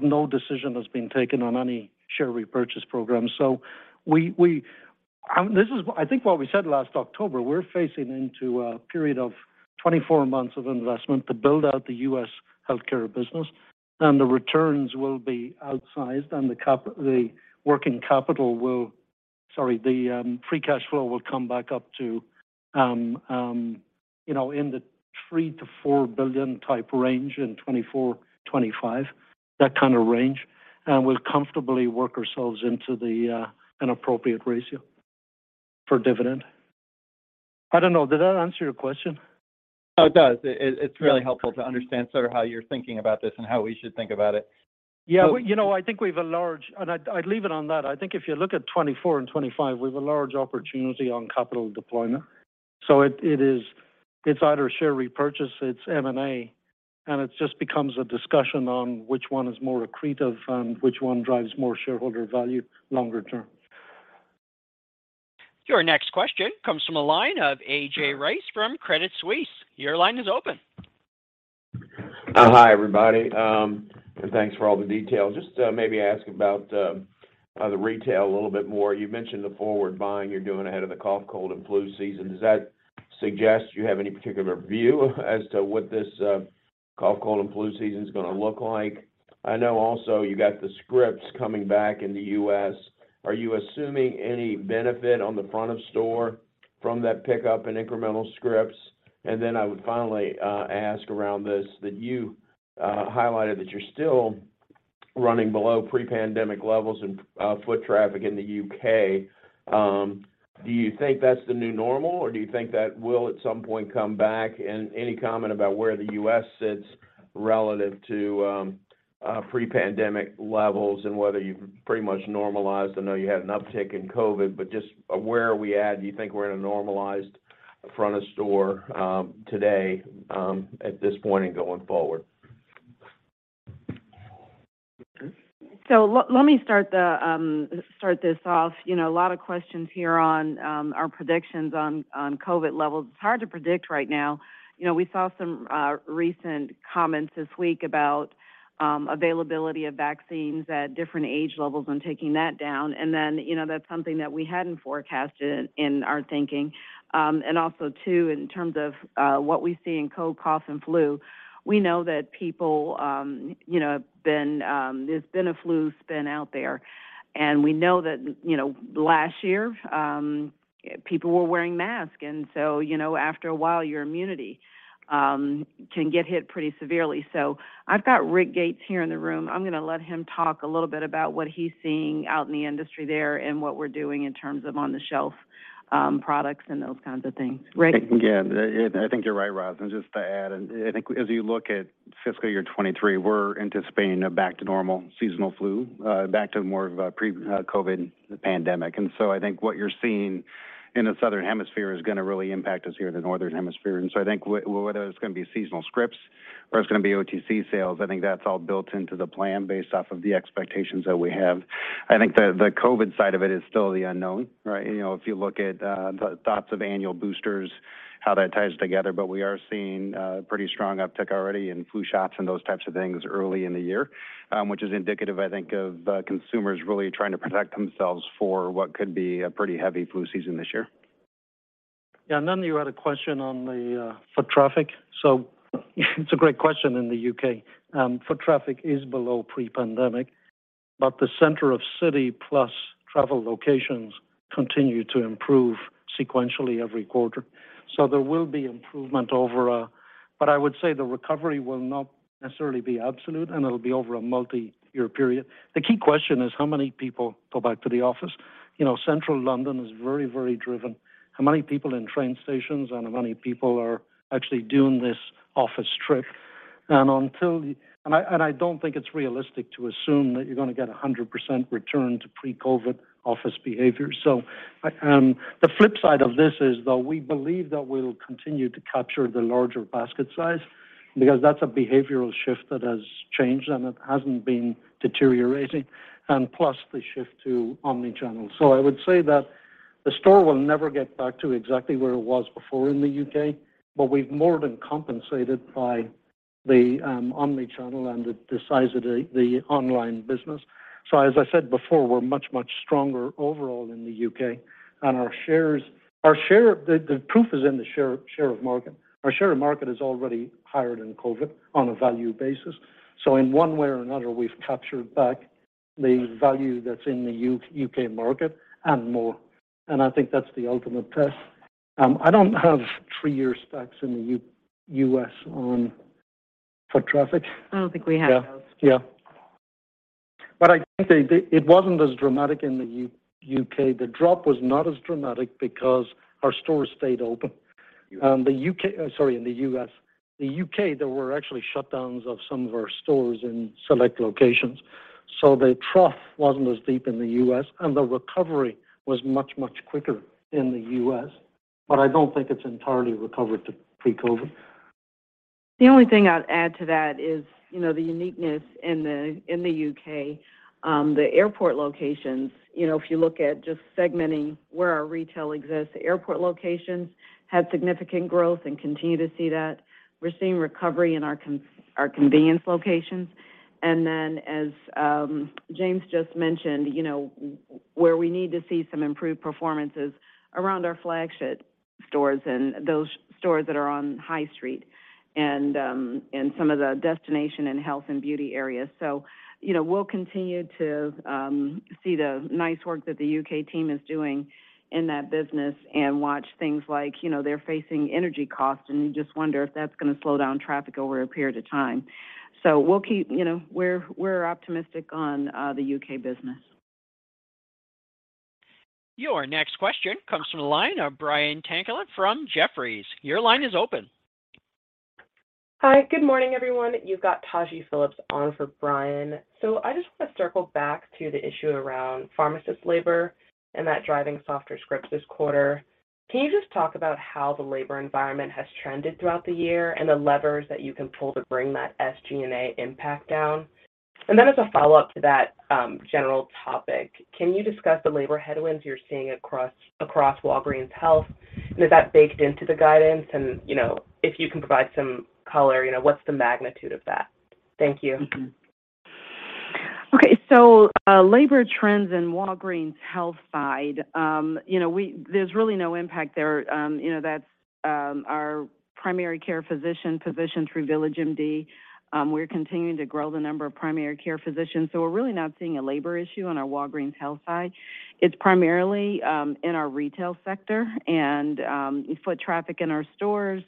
No decision has been taken on any share repurchase program. I think what we said last October. We're facing into a period of 24 months of investment to build out the U.S. Healthcare business, and the returns will be outsized and the free cash flow will come back up to, you know, in the $3 billion-$4 billion type range in 2024, 2025, that kind of range. We'll comfortably work ourselves into an appropriate ratio for dividend. I don't know, did that answer your question? Oh, it does. It's really helpful to understand sort of how you're thinking about this and how we should think about it. Yeah. Well, you know, I think we've a large opportunity. I'd leave it on that. I think if you look at 2024 and 2025, we've a large opportunity on capital deployment. It is either share repurchase, it's M&A, and it just becomes a discussion on which one is more accretive and which one drives more shareholder value longer term. Your next question comes from the line of A.J. Rice from Credit Suisse. Your line is open. Hi, everybody, and thanks for all the detail. Maybe ask about the retail a little bit more. You mentioned the forward buying you're doing ahead of the cough, cold, and flu season. Does that suggest you have any particular view as to what this cough, cold, and flu season's gonna look like? I know also you got the scripts coming back in the U.S. Are you assuming any benefit on the front of store from that pickup in incremental scripts? And then I would finally ask about this that you highlighted that you're still running below pre-pandemic levels in foot traffic in the U.K. Do you think that's the new normal, or do you think that will at some point come back? And any comment about where the U.S. sits relative to. pre-pandemic levels and whether you've pretty much normalized. I know you had an uptick in COVID, but just where are we at? Do you think we're in a normalized front of store, today, at this point and going forward? Let me start this off. You know, a lot of questions here on our predictions on COVID levels. It's hard to predict right now. You know, we saw some recent comments this week about availability of vaccines at different age levels and taking that down. You know, that's something that we hadn't forecasted in our thinking. Also too, in terms of what we see in cold, cough, and flu, we know that people you know, have been. There's been a flu spike out there. We know that, you know, last year, people were wearing masks. You know, after a while, your immunity can get hit pretty severely. I've got Rick Gates here in the room. I'm gonna let him talk a little bit about what he's seeing out in the industry there and what we're doing in terms of on-the-shelf products and those kinds of things. Rick. Yeah. I think you're right, Roz. Just to add, I think as you look at fiscal year 2023, we're anticipating a back to normal seasonal flu, back to more of a pre-COVID pandemic. I think what you're seeing in the Southern Hemisphere is gonna really impact us here in the Northern Hemisphere. I think whether it's gonna be seasonal scripts or it's gonna be OTC sales, I think that's all built into the plan based off of the expectations that we have. I think the COVID side of it is still the unknown, right? You know, if you look at the thoughts of annual boosters, how that ties together. We are seeing pretty strong uptick already in flu shots and those types of things early in the year, which is indicative, I think, of consumers really trying to protect themselves for what could be a pretty heavy flu season this year. Yeah. You had a question on the foot traffic. It's a great question in the UK. Foot traffic is below pre-pandemic, but the center of city plus travel locations continue to improve sequentially every quarter. There will be improvement. But I would say the recovery will not necessarily be absolute, and it'll be over a multi-year period. The key question is how many people go back to the office. You know, central London is very, very driven. How many people in train stations and how many people are actually doing this office trip. I don't think it's realistic to assume that you're gonna get a 100% return to pre-COVID office behavior. The flip side of this is, though, we believe that we'll continue to capture the larger basket size because that's a behavioral shift that has changed, and it hasn't been deteriorating. Plus the shift to omni-channel. I would say that the store will never get back to exactly where it was before in the U.K., but we've more than compensated by the omni-channel and the size of the online business. As I said before, we're much stronger overall in the U.K. The proof is in the share of market. Our share of market is already higher than COVID on a value basis. In one way or another, we've captured back the value that's in the U.K. market and more. I think that's the ultimate test. I don't have three-year specs in the U.S. on foot traffic. I don't think we have those. Yeah. Yeah. I think it wasn't as dramatic in the U.K. The drop was not as dramatic because our stores stayed open. The U.K., sorry, in the U.S. The U.K., there were actually shutdowns of some of our stores in select locations. The trough wasn't as deep in the U.S., and the recovery was much, much quicker in the U.S. I don't think it's entirely recovered to pre-COVID. The only thing I'd add to that is, you know, the uniqueness in the UK, the airport locations. You know, if you look at just segmenting where our retail exists, airport locations had significant growth and continue to see that. We're seeing recovery in our convenience locations. Then as James just mentioned, you know, where we need to see some improved performance is around our flagship stores and those stores that are on High Street and some of the destination and health and beauty areas. You know, we'll continue to see the nice work that the UK team is doing in that business and watch things like, you know, they're facing energy costs, and you just wonder if that's gonna slow down traffic over a period of time. You know, we're optimistic on the U.K. business. Your next question comes from the line of Brian Tanquilut from Jefferies. Your line is open. Hi. Good morning, everyone. You've got Taji Phillips on for Brian. I just wanna circle back to the issue around pharmacist labor and that driving softer scripts this quarter. Can you just talk about how the labor environment has trended throughout the year and the levers that you can pull to bring that SG&A impact down? Then as a follow-up to that general topic, can you discuss the labor headwinds you're seeing across Walgreens Health? And is that baked into the guidance? And, you know, if you can provide some color, you know, what's the magnitude of that? Thank you. Labor trends in Walgreens Health side, you know, there's really no impact there. You know, that's our primary care physician through VillageMD. We're continuing to grow the number of primary care physicians. We're really not seeing a labor issue on our Walgreens Health side. It's primarily in our retail sector and foot traffic in our stores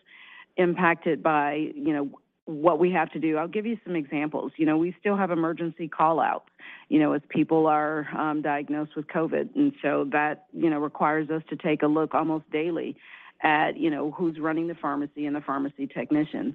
impacted by, you know, what we have to do. I'll give you some examples. You know, we still have emergency call-out. You know, as people are diagnosed with COVID. That, you know, requires us to take a look almost daily at, you know, who's running the pharmacy and the pharmacy technicians.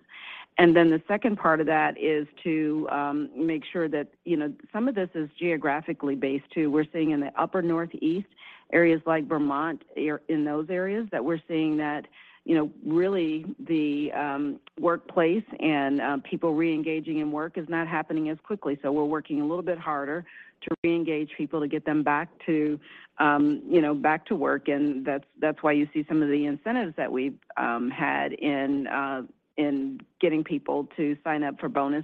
The second part of that is to make sure that you know, some of this is geographically based too. We're seeing in the upper northeast areas like Vermont, in those areas that we're seeing that, you know, really the workplace and people reengaging in work is not happening as quickly. We're working a little bit harder to reengage people to get them back to, you know, back to work. That's why you see some of the incentives that we've had in getting people to sign up for bonus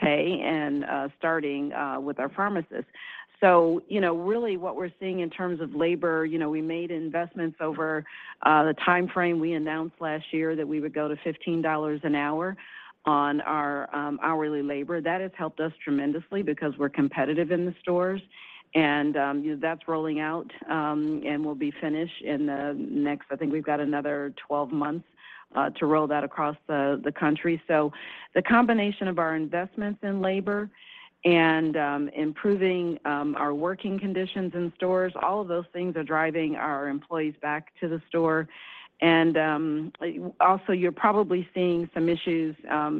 pay and starting with our pharmacists. You know, really what we're seeing in terms of labor, you know, we made investments over the timeframe. We announced last year that we would go to $15 an hour on our hourly labor. That has helped us tremendously because we're competitive in the stores and that's rolling out and will be finished in the next. I think we've got another 12 months to roll that across the country. The combination of our investments in labor and improving our working conditions in stores, all of those things are driving our employees back to the store. Also, you're probably seeing some issues,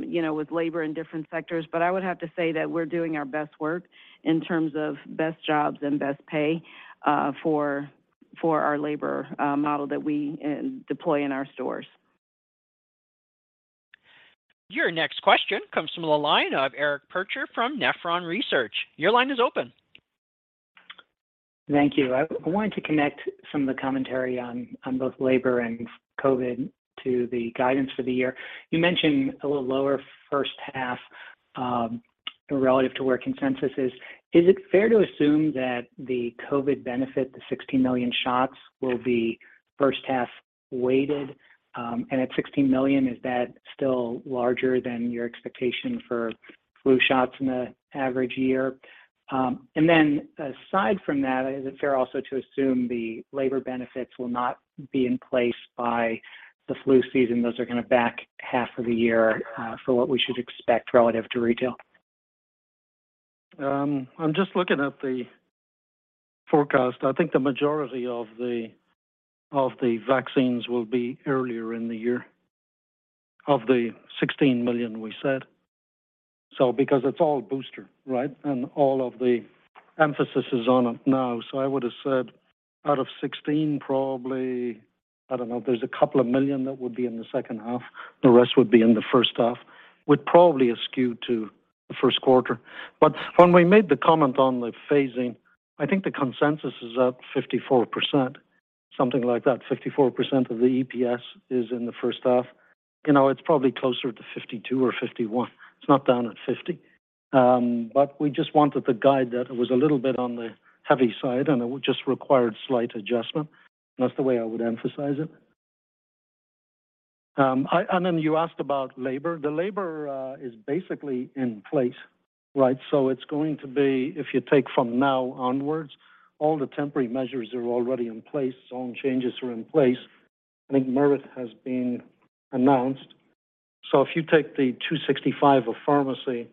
you know, with labor in different sectors. I would have to say that we're doing our best work in terms of best jobs and best pay for our labor model that we deploy in our stores. Your next question comes from the line of Eric Percher from Nephron Research. Your line is open. Thank you. I wanted to connect some of the commentary on both labor and COVID to the guidance for the year. You mentioned a little lower first half, relative to where consensus is. Is it fair to assume that the COVID benefit, the 16 million shots, will be first half weighted? And at 16 million, is that still larger than your expectation for flu shots in an average year? And then aside from that, is it fair also to assume the labor benefits will not be in place by the flu season, those are gonna back half of the year, for what we should expect relative to retail? I'm just looking at the forecast. I think the majority of the vaccines will be earlier in the year, of the 16 million we said. Because it's all booster, right? All of the emphasis is on it now. I would've said out of 16, probably, I don't know, there's a couple of million that would be in the second half, the rest would be in the first half. Would probably skew to the first quarter. When we made the comment on the phasing, I think the consensus is at 54%, something like that. 54% of the EPS is in the first half. You know, it's probably closer to 52 or 51. It's not down at 50. We just wanted to guide that it was a little bit on the heavy side, and it just required slight adjustment. That's the way I would emphasize it. You asked about labor. The labor is basically in place, right? It's going to be, if you take from now onwards, all the temporary measures are already in place, zone changes are in place. I think merit has been announced. If you take the 265 of pharmacy,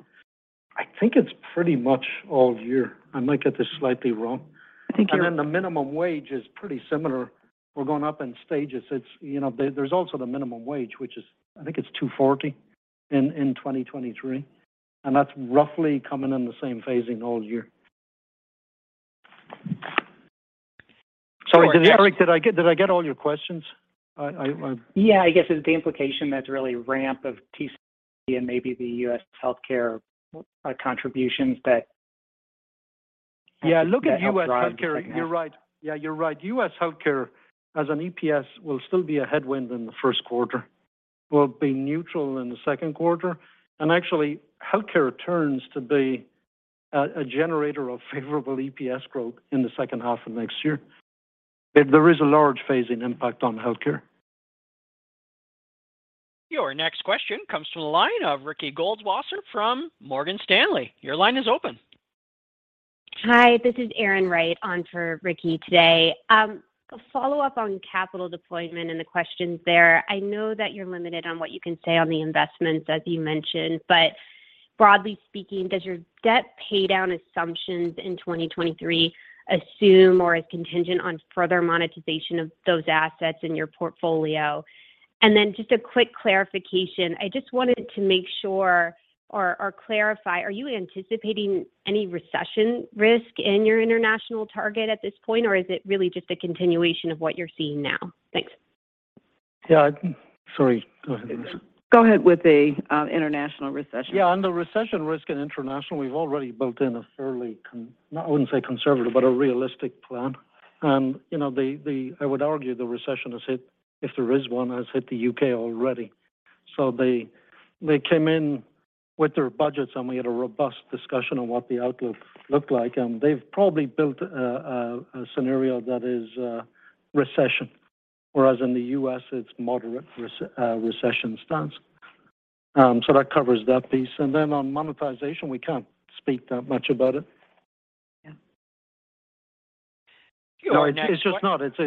I think it's pretty much all year. I might get this slightly wrong. I think you're The minimum wage is pretty similar. We're going up in stages. It's, you know, there's also the minimum wage, which is, I think it's $2.40 in 2023, and that's roughly coming in the same phasing all year. I guess. Sorry, Eric, did I get all your questions? Yeah. I guess it's the implication that's really ramp of TCPI and maybe the U.S. Healthcare contributions that- Yeah, look at U.S. Healthcare. help drive the second half. You're right. Yeah, you're right. U.S. Healthcare as an EPS will still be a headwind in the first quarter, will be neutral in the second quarter, and actually Healthcare turns to be a generator of favorable EPS growth in the second half of next year. There is a large phasing impact on Healthcare. Your next question comes from the line of Ricky Goldwasser from Morgan Stanley. Your line is open. Hi, this is Erin Wright on for Ricky Goldwasser today. A follow-up on capital deployment and the questions there. I know that you're limited on what you can say on the investments, as you mentioned. Broadly speaking, does your debt paydown assumptions in 2023 assume or is contingent on further monetization of those assets in your portfolio? And then just a quick clarification. I just wanted to make sure or clarify, are you anticipating any recession risk in your international target at this point, or is it really just a continuation of what you're seeing now? Thanks. Yeah. Sorry, go ahead, Lisa. Go ahead with the international recession. Yeah. On the recession risk in International, we've already built in a fairly realistic plan. I wouldn't say conservative. You know, I would argue the recession has hit, if there is one, has hit the U.K. already. They came in with their budgets, and we had a robust discussion on what the outlook looked like. They've probably built a scenario that is recession, whereas in the U.S. it's moderate recession stance. That covers that piece. On monetization, we can't speak that much about it. Yeah. No, it's just not. It's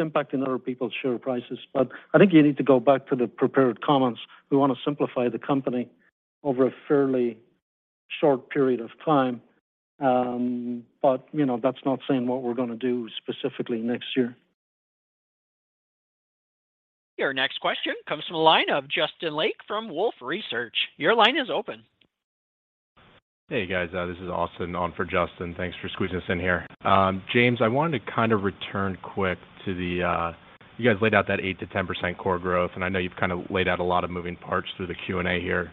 impacting other people's share prices. I think you need to go back to the prepared comments. We wanna simplify the company over a fairly short period of time. You know, that's not saying what we're gonna do specifically next year. Your next question comes from the line of Justin Lake from Wolfe Research. Your line is open. Hey, guys. This is Austin on for Justin. Thanks for squeezing us in here. James, I wanted to kind of return quick to the. You guys laid out that 8%-10% core growth, and I know you've kind of laid out a lot of moving parts through the Q&A here.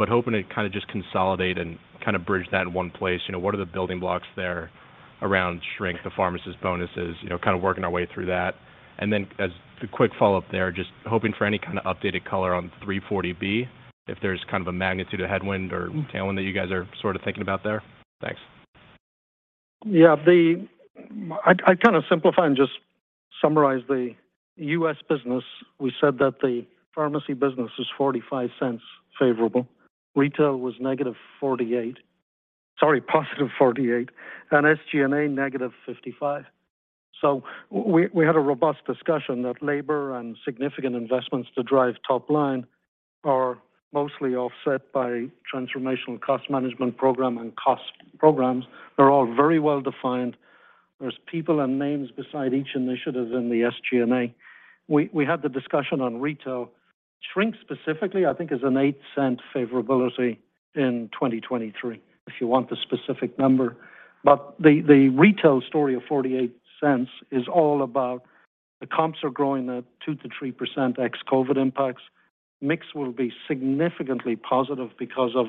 Hoping to kind of just consolidate and kind of bridge that in one place. You know, what are the building blocks there around shrink, the pharmacist bonuses, you know, kind of working our way through that. And then as the quick follow-up there, just hoping for any kind of updated color on 340B, if there's kind of a magnitude of headwind or tailwind that you guys are sort of thinking about there. Thanks. Yeah. I'd kind of simplify and just summarize the U.S. business. We said that the pharmacy business is $0.45 favorable. Retail was negative $0.48. Sorry, positive $0.48. SG&A negative $0.55. We had a robust discussion that labor and significant investments to drive top line are mostly offset by transformational cost management program and cost programs. They're all very well-defined. There's people and names beside each initiative in the SG&A. We had the discussion on retail. Shrink specifically, I think is an $0.08 favorability in 2023, if you want the specific number. The retail story of $0.48 is all about the comps are growing at 2%-3% ex-COVID-19 impacts. Mix will be significantly positive because of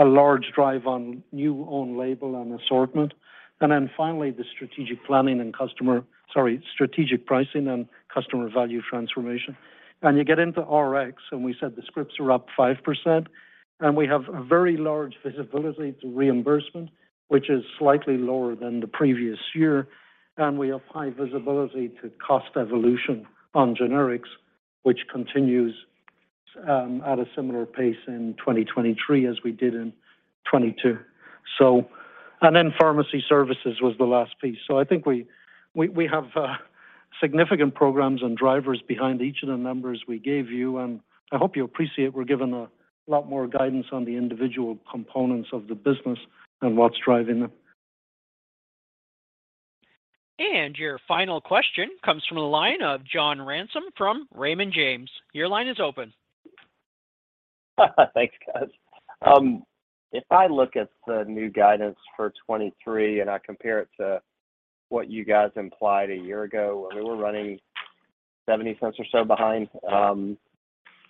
a large drive on new own label and assortment. Then finally, the strategic planning and customer. Sorry, strategic pricing and customer value transformation. You get into Rx, and we said the scripts are up 5%, and we have a very large visibility to reimbursement, which is slightly lower than the previous year. We have high visibility to cost evolution on generics, which continues at a similar pace in 2023 as we did in 2022. Pharmacy services was the last piece. I think we have significant programs and drivers behind each of the numbers we gave you, and I hope you appreciate we're giving a lot more guidance on the individual components of the business and what's driving them. Your final question comes from the line of John Ransom from Raymond James. Your line is open. Thanks, guys. If I look at the new guidance for 2023 and I compare it to what you guys implied a year ago when we were running $0.70 or so behind, so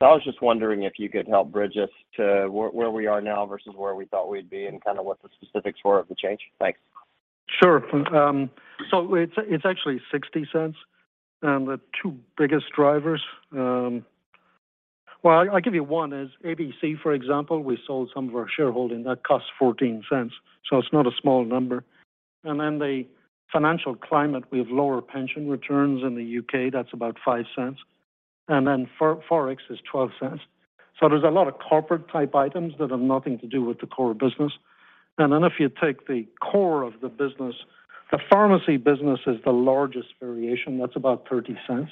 I was just wondering if you could help bridge us to where we are now versus where we thought we'd be and kind of what the specifics were of the change. Thanks. Sure. So it's actually $0.60. The two biggest drivers. Well, I give you one is AmerisourceBergen, for example. We sold some of our shareholding. That costs $0.14, so it's not a small number. The financial climate, we have lower pension returns in the UK. That's about $0.05. FX is $0.12. There's a lot of corporate type items that have nothing to do with the core business. If you take the core of the business, the pharmacy business is the largest variation. That's about $0.30.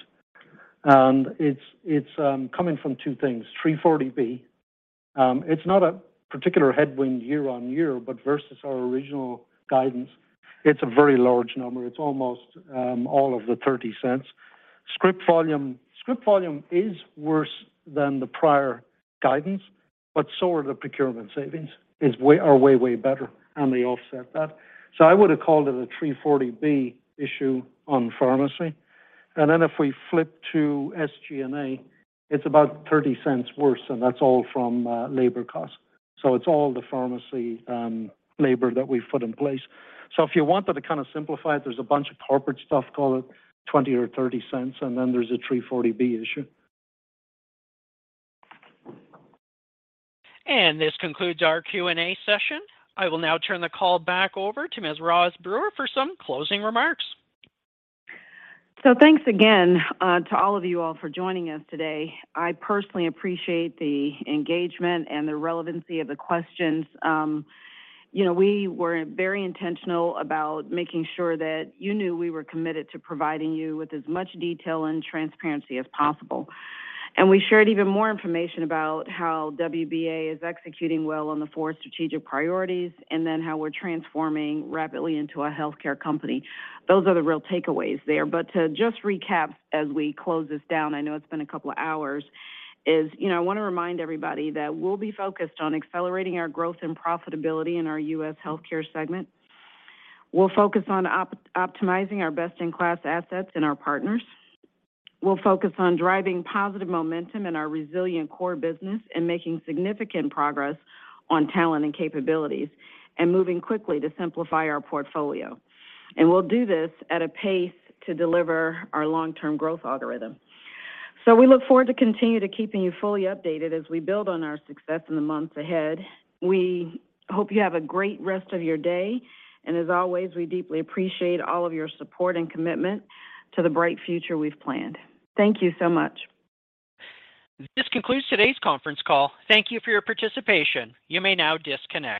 It's coming from two things. 340B, it's not a particular headwind year-over-year, but versus our original guidance, it's a very large number. It's almost all of the $0.30. Script volume is worse than the prior guidance, but so are the procurement savings, are way better, and they offset that. I would have called it a 340B issue on pharmacy. If we flip to SG&A, it's about $0.30 worse, and that's all from labor costs. It's all the pharmacy labor that we've put in place. If you wanted to kind of simplify it, there's a bunch of corporate stuff, call it $0.20 or $0.30, and then there's a 340B issue. This concludes our Q&A session. I will now turn the call back over to Ms. Rosalind Brewer for some closing remarks. Thanks again to all of you all for joining us today. I personally appreciate the engagement and the relevancy of the questions. You know, we were very intentional about making sure that you knew we were committed to providing you with as much detail and transparency as possible. We shared even more information about how WBA is executing well on the four strategic priorities, and then how we're transforming rapidly into a healthcare company. Those are the real takeaways there. To just recap as we close this down, I know it's been a couple of hours. You know, I wanna remind everybody that we'll be focused on accelerating our growth and profitability in our U.S. Healthcare segment. We'll focus on optimizing our best-in-class assets and our partners. We'll focus on driving positive momentum in our resilient core business and making significant progress on talent and capabilities and moving quickly to simplify our portfolio. We'll do this at a pace to deliver our long-term growth algorithm. We look forward to continue to keeping you fully updated as we build on our success in the months ahead. We hope you have a great rest of your day. We deeply appreciate all of your support and commitment to the bright future we've planned. Thank you so much. This concludes today's conference call. Thank you for your participation. You may now disconnect.